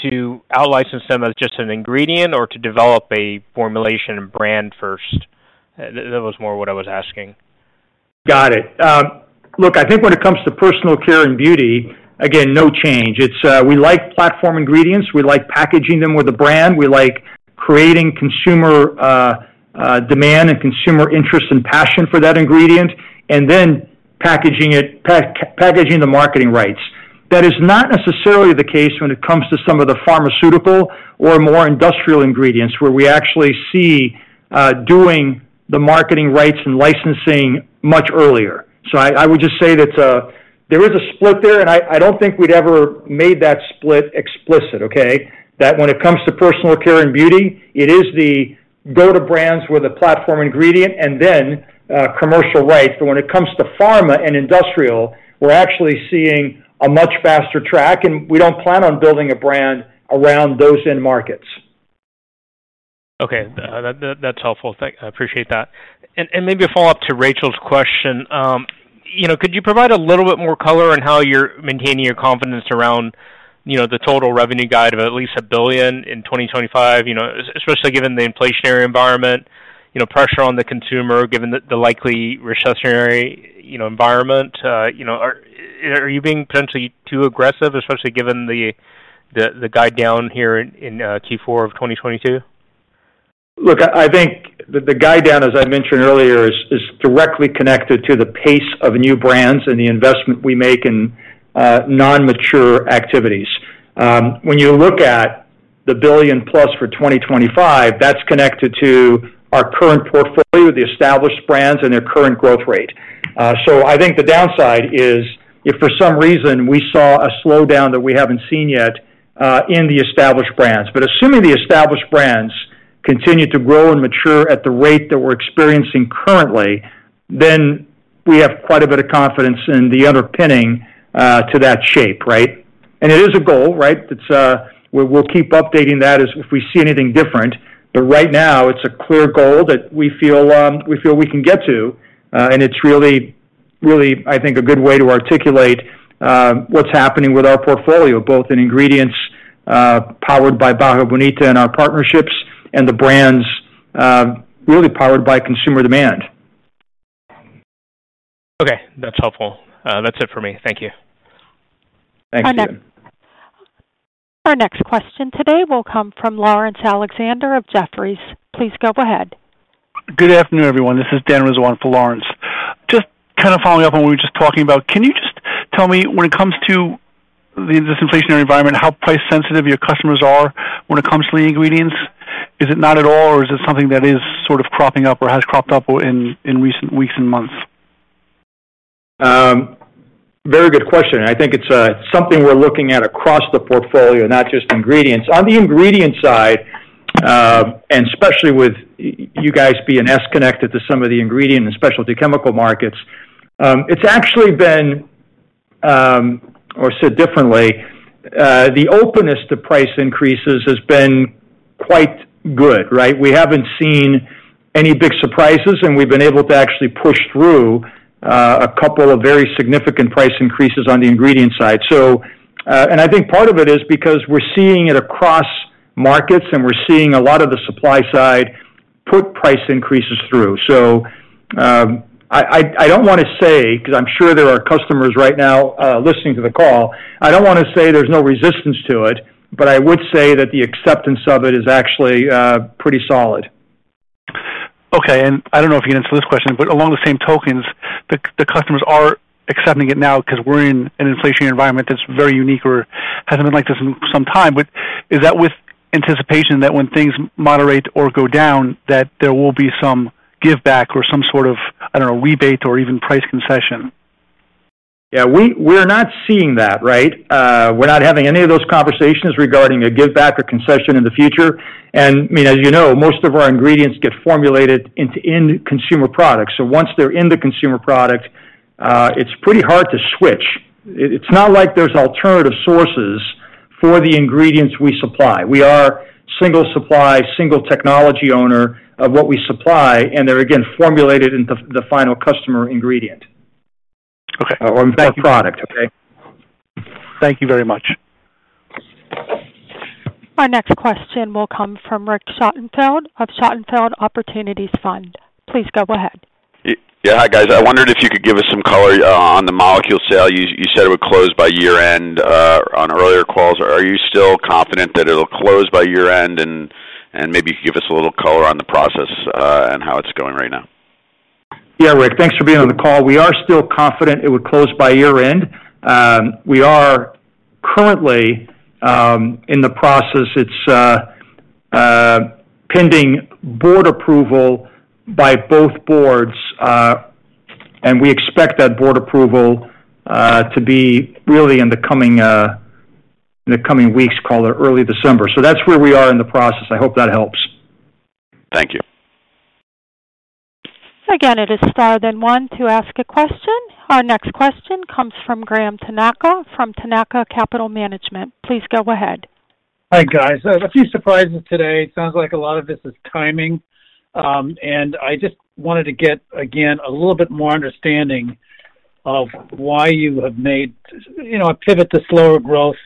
to out-license them as just an ingredient or to develop a formulation and brand first? That was more what I was asking. Got it. Look, I think when it comes to personal care and beauty, again, no change. It's we like platform ingredients. We like packaging them with a brand. We like creating consumer demand and consumer interest and passion for that ingredient, and then packaging the marketing rights. That is not necessarily the case when it comes to some of the pharmaceutical or more industrial ingredients where we actually see doing the marketing rights and licensing much earlier. I would just say that there is a split there, and I don't think we'd ever made that split explicit, okay? That when it comes to personal care and beauty, it is the go-to brands with a platform ingredient and then commercial rights. when it comes to pharma and industrial, we're actually seeing a much faster track, and we don't plan on building a brand around those end markets. Okay. That's helpful. I appreciate that. Maybe a follow-up to Rachel's question. You know, could you provide a little bit more color on how you're maintaining your confidence around, you know, the total revenue guide of at least $1 billion in 2025, you know, especially given the inflationary environment, you know, pressure on the consumer, given the likely recessionary, you know, environment, you know, are you being potentially too aggressive, especially given the guide down here in Q4 of 2022? Look, I think the guide down, as I mentioned earlier, is directly connected to the pace of new brands and the investment we make in non-mature activities. When you look at the $1 billion plus for 2025, that's connected to our current portfolio, the established brands and their current growth rate. I think the downside is if for some reason we saw a slowdown that we haven't seen yet in the established brands. Assuming the established brands continue to grow and mature at the rate that we're experiencing currently, then we have quite a bit of confidence in the underpinning to that shape, right? It is a goal, right? It's we'll keep updating that as if we see anything different. Right now, it's a clear goal that we feel we can get to, and it's really, I think, a good way to articulate what's happening with our portfolio, both in ingredients powered by Barra Bonita and our partnerships and the brands, really powered by consumer demand. Okay. That's helpful. That's it for me. Thank you. Thanks. Our next question today will come from Laurence Alexander of Jefferies. Please go ahead. Good afternoon, everyone. This is Dan Rizzo for Laurence. Just kind of following up on what we were just talking about. Can you just tell me when it comes to this inflationary environment, how price sensitive your customers are when it comes to the ingredients? Is it not at all or is it something that is sort of cropping up or has cropped up in recent weeks and months? Very good question. I think it's something we're looking at across the portfolio, not just ingredients. On the ingredient side, and especially with you guys being connected to some of the ingredient and specialty chemical markets, it's actually been or said differently, the openness to price increases has been quite good, right? We haven't seen any big surprises, and we've been able to actually push through a couple of very significant price increases on the ingredient side. I think part of it is because we're seeing it across markets and we're seeing a lot of the supply side put price increases through. I don't wanna say, cause I'm sure there are customers right now, listening to the call. I don't wanna say there's no resistance to it, but I would say that the acceptance of it is actually pretty solid. Okay. I don't know if you can answer this question, but along the same lines, the customers are accepting it now cause we're in an inflationary environment that's very unique or hasn't been like this in some time. Is that with anticipation that when things moderate or go down that there will be some giveback or some sort of, I don't know, rebate or even price concession? Yeah. We're not seeing that, right? We're not having any of those conversations regarding a giveback or concession in the future. I mean, as you know, most of our ingredients get formulated into end consumer products. Once they're in the consumer product, it's pretty hard to switch. It's not like there's alternative sources for the ingredients we supply. We are single supply, single technology owner of what we supply, and they're again formulated into the final customer ingredient. Okay. Product. Okay? Thank you very much. Our next question will come from Rick Schottenfeld of Schottenfeld Opportunities Fund. Please go ahead. Yeah, hi guys. I wondered if you could give us some color on the molecule sale. You said it would close by year-end on earlier calls. Are you still confident that it'll close by year-end? Maybe you could give us a little color on the process and how it's going right now. Yeah, Rick, thanks for being on the call. We are still confident it would close by year-end. We are currently in the process. It's pending board approval by both boards, and we expect that board approval to be really in the coming weeks, call it early December. That's where we are in the process. I hope that helps. Thank you. Again, it is star then 1 to ask a question. Our next question comes from Graham Tanaka from Tanaka Capital Management. Please go ahead. Hi, guys. A few surprises today. It sounds like a lot of this is timing. I just wanted to get, again, a little bit more understanding of why you have made, you know, a pivot to slower growth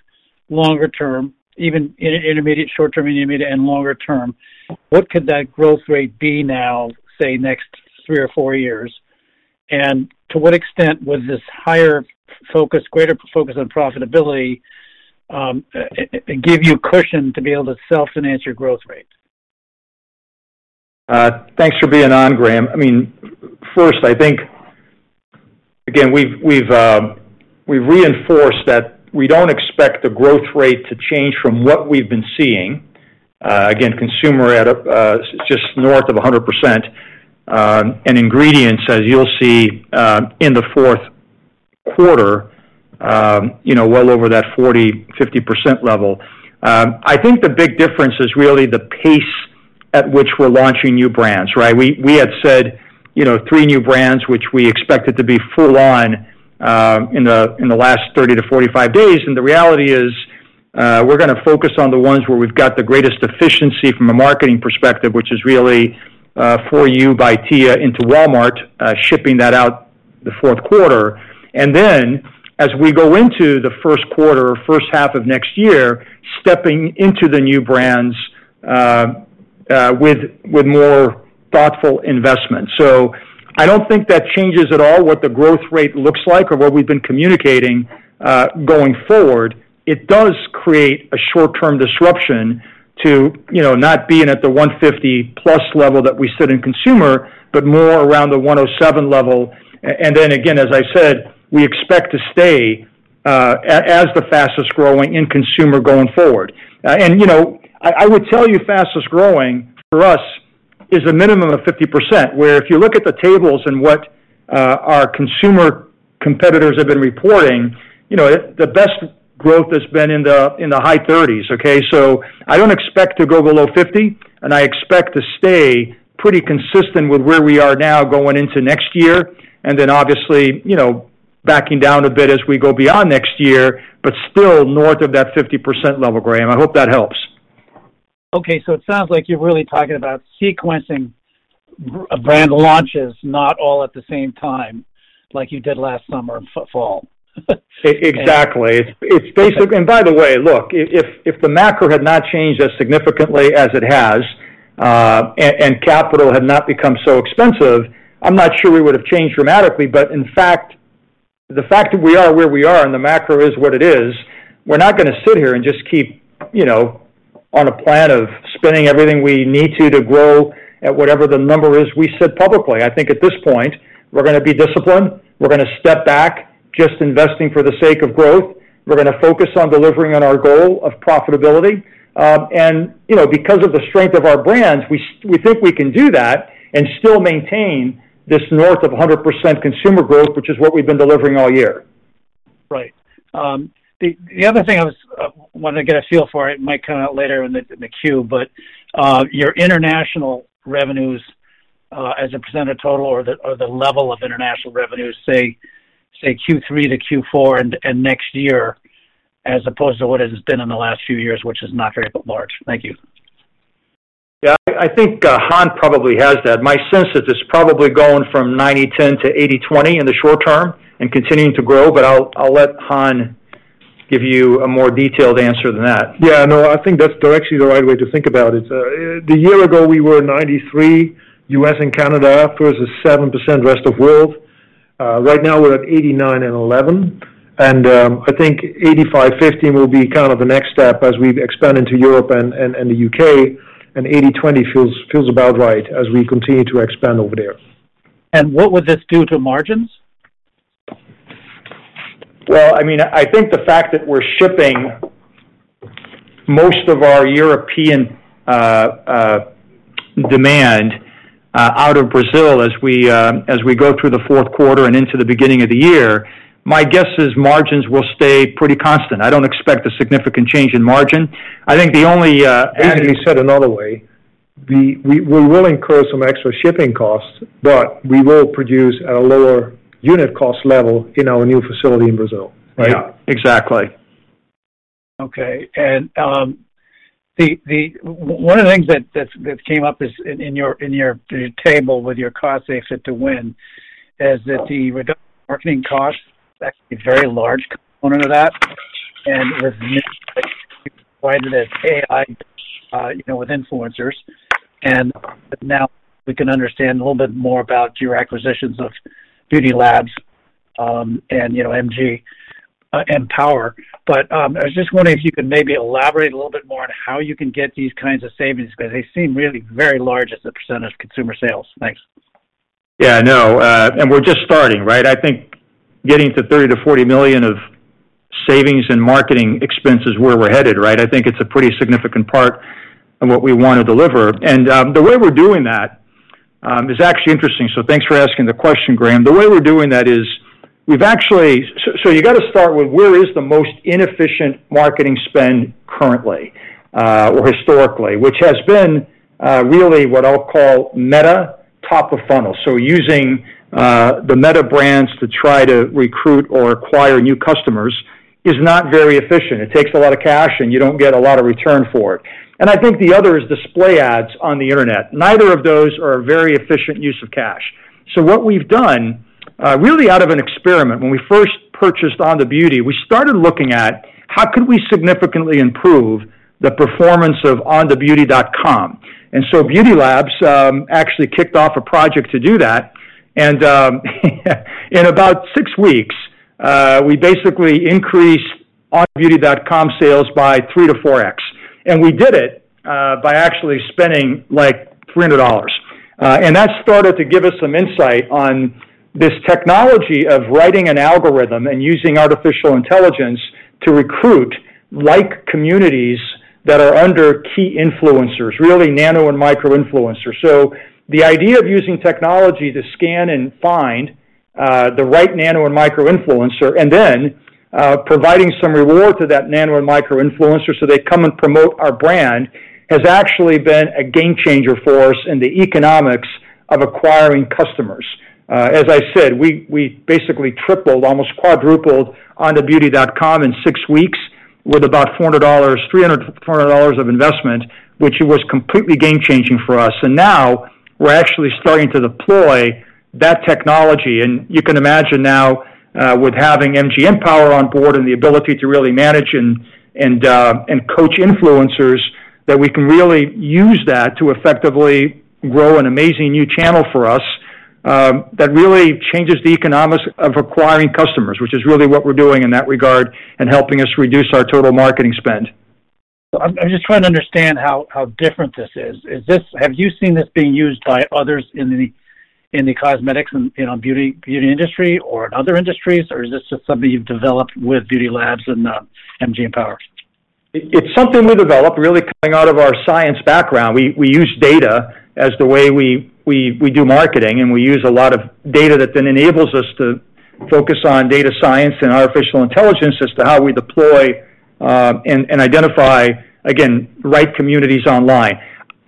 longer term, even in intermediate short term, intermediate and longer term. What could that growth rate be now, say, next 3 or 4 years? To what extent was this higher focus, greater focus on profitability give you cushion to be able to self-finance your growth rate? Thanks for being on, Graham. I mean, first, I think, again, we've reinforced that we don't expect the growth rate to change from what we've been seeing. Again, consumer at just north of 100%, and ingredients, as you'll see, in the fourth quarter, you know, well over that 40-50% level. I think the big difference is really the pace at which we're launching new brands, right? We had said, you know, 3 new brands, which we expected to be full on in the last 30-45 days. The reality is, we're gonna focus on the ones where we've got the greatest efficiency from a marketing perspective, which is really 4U by Tia into Walmart, shipping that out the fourth quarter. As we go into the first quarter or first half of next year, stepping into the new brands with more thoughtful investment. I don't think that changes at all what the growth rate looks like or what we've been communicating going forward. It does create a short-term disruption to, you know, not being at the $150+ level that we sit in consumer, but more around the $107 level. Again, as I said, we expect to stay as the fastest-growing in consumer going forward. You know, I would tell you fastest-growing for us is a minimum of 50%, where if you look at the tables and what our consumer competitors have been reporting, you know, the best growth has been in the high 30s%, okay? I don't expect to go below 50, and I expect to stay pretty consistent with where we are now going into next year, and then obviously, you know, backing down a bit as we go beyond next year, but still north of that 50% level, Graham. I hope that helps. Okay, it sounds like you're really talking about sequencing brand launches, not all at the same time, like you did last summer and fall. Exactly. It's basically. By the way, look, if the macro had not changed as significantly as it has, and capital had not become so expensive, I'm not sure we would have changed dramatically. In fact, the fact that we are where we are and the macro is what it is, we're not gonna sit here and just keep, you know, on a plan of spending everything we need to grow at whatever the number is we said publicly. I think at this point, we're gonna be disciplined. We're gonna step back, just investing for the sake of growth. We're gonna focus on delivering on our goal of profitability. You know, because of the strength of our brands, we think we can do that and still maintain this north of 100% consumer growth, which is what we've been delivering all year. Right. The other thing I wanna get a feel for, it might come out later in the queue, but your international revenues as a % of total or the level of international revenues, say Q3 to Q4 and next year, as opposed to what it has been in the last few years, which is not very large. Thank you. Yeah. I think Han probably has that. My sense is it's probably going from 90/10 to 80/20 in the short term and continuing to grow, but I'll let Han give you a more detailed answer than that. Yeah. No, I think that's actually the right way to think about it. A year ago we were 93% U.S. and Canada versus 7% rest of world. Right now we're at 89% and 11%, and I think 85%-15% will be kind of the next step as we expand into Europe and the U.K., and 80%-20% feels about right as we continue to expand over there. What would this do to margins? Well, I mean, I think the fact that we're shipping most of our European demand out of Brazil as we go through the fourth quarter and into the beginning of the year, my guess is margins will stay pretty constant. I don't expect a significant change in margin. I think the only, as- Let me say it another way. We will incur some extra shipping costs, but we will produce at a lower unit cost level in our new facility in Brazil. Right? Yeah. Exactly. Okay. One of the things that came up is in your table with your Fit to Win. That the reduction in marketing costs is actually a very large component of that, and you described it as AI, you know, with influencers. Now we can understand a little bit more about your acquisitions of Beauty Labs and MG Empower. I was just wondering if you could maybe elaborate a little bit more on how you can get these kinds of savings, because they seem really very large as a percent of consumer sales. Thanks. Yeah, I know. We're just starting, right? I think getting to $30 million-$40 million of savings in marketing expenses where we're headed, right? I think it's a pretty significant part of what we wanna deliver. The way we're doing that is actually interesting. Thanks for asking the question, Graham. The way we're doing that is we've actually so you gotta start with where is the most inefficient marketing spend currently or historically, which has been really what I'll call Meta top of funnel. Using the Meta brands to try to recruit or acquire new customers is not very efficient. It takes a lot of cash, and you don't get a lot of return for it. I think the other is display ads on the Internet. Neither of those are a very efficient use of cash. What we've done, really out of an experiment, when we first purchased Onda Beauty, we started looking at how could we significantly improve the performance of OndaBeauty.com. Beauty Labs actually kicked off a project to do that. In about six weeks, we basically increased OndaBeauty.com sales by 3x to 4x. We did it by actually spending, like, $300. That started to give us some insight on this technology of writing an algorithm and using artificial intelligence to recruit like communities that are under key influencers, really nano and micro-influencers. The idea of using technology to scan and find the right nano and micro-influencer, and then providing some reward to that nano and micro-influencer, so they come and promote our brand, has actually been a game changer for us in the economics of acquiring customers. As I said, we basically tripled, almost quadrupled 4UbyTia.com in six weeks with about $400, $300 to $400 of investment, which was completely game changing for us. Now we're actually starting to deploy that technology. You can imagine now with having MG Empower on board and the ability to really manage and coach influencers, that we can really use that to effectively grow an amazing new channel for us, that really changes the economics of acquiring customers, which is really what we're doing in that regard and helping us reduce our total marketing spend. I'm just trying to understand how different this is. Have you seen this being used by others in the cosmetics and, you know, beauty industry or in other industries? Or is this just something you've developed with Beauty Labs and MG Empower? It's something we developed really coming out of our science background. We use data as the way we do marketing, and we use a lot of data that then enables us to focus on data science and artificial intelligence as to how we deploy and identify, again, right communities online.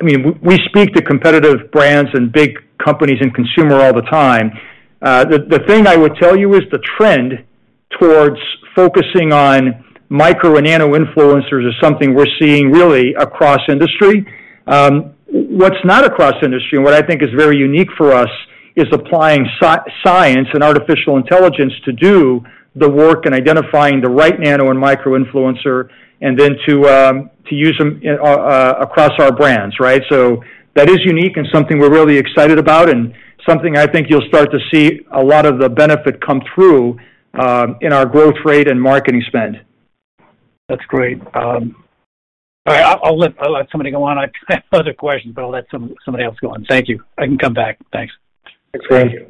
I mean, we speak to competitive brands and big companies and consumers all the time. The thing I would tell you is the trend towards focusing on micro and nano influencers is something we're seeing really across industry. What's not across industry, and what I think is very unique for us, is applying science and artificial intelligence to do the work in identifying the right nano and micro-influencer and then to use them across our brands, right? That is unique and something we're really excited about and something I think you'll start to see a lot of the benefit come through, in our growth rate and marketing spend. That's great. All right, I'll let somebody go on. I have other questions, but I'll let somebody else go on. Thank you. I can come back. Thanks. Thanks, Graham.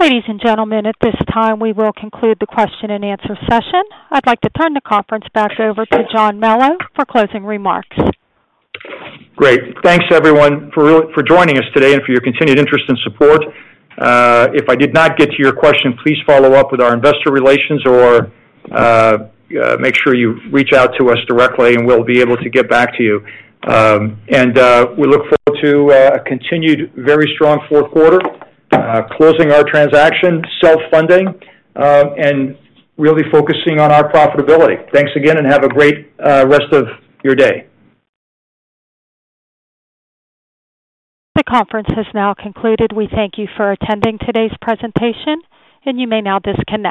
Ladies and gentlemen, at this time, we will conclude the question-and-answer session. I'd like to turn the conference back over to John Melo for closing remarks. Great. Thanks, everyone, for joining us today and for your continued interest and support. If I did not get to your question, please follow up with our investor relations or make sure you reach out to us directly, and we'll be able to get back to you. We look forward to a continued very strong fourth quarter, closing our transaction, self-funding, and really focusing on our profitability. Thanks again and have a great rest of your day. The conference has now concluded. We thank you for attending today's presentation, and you may now disconnect.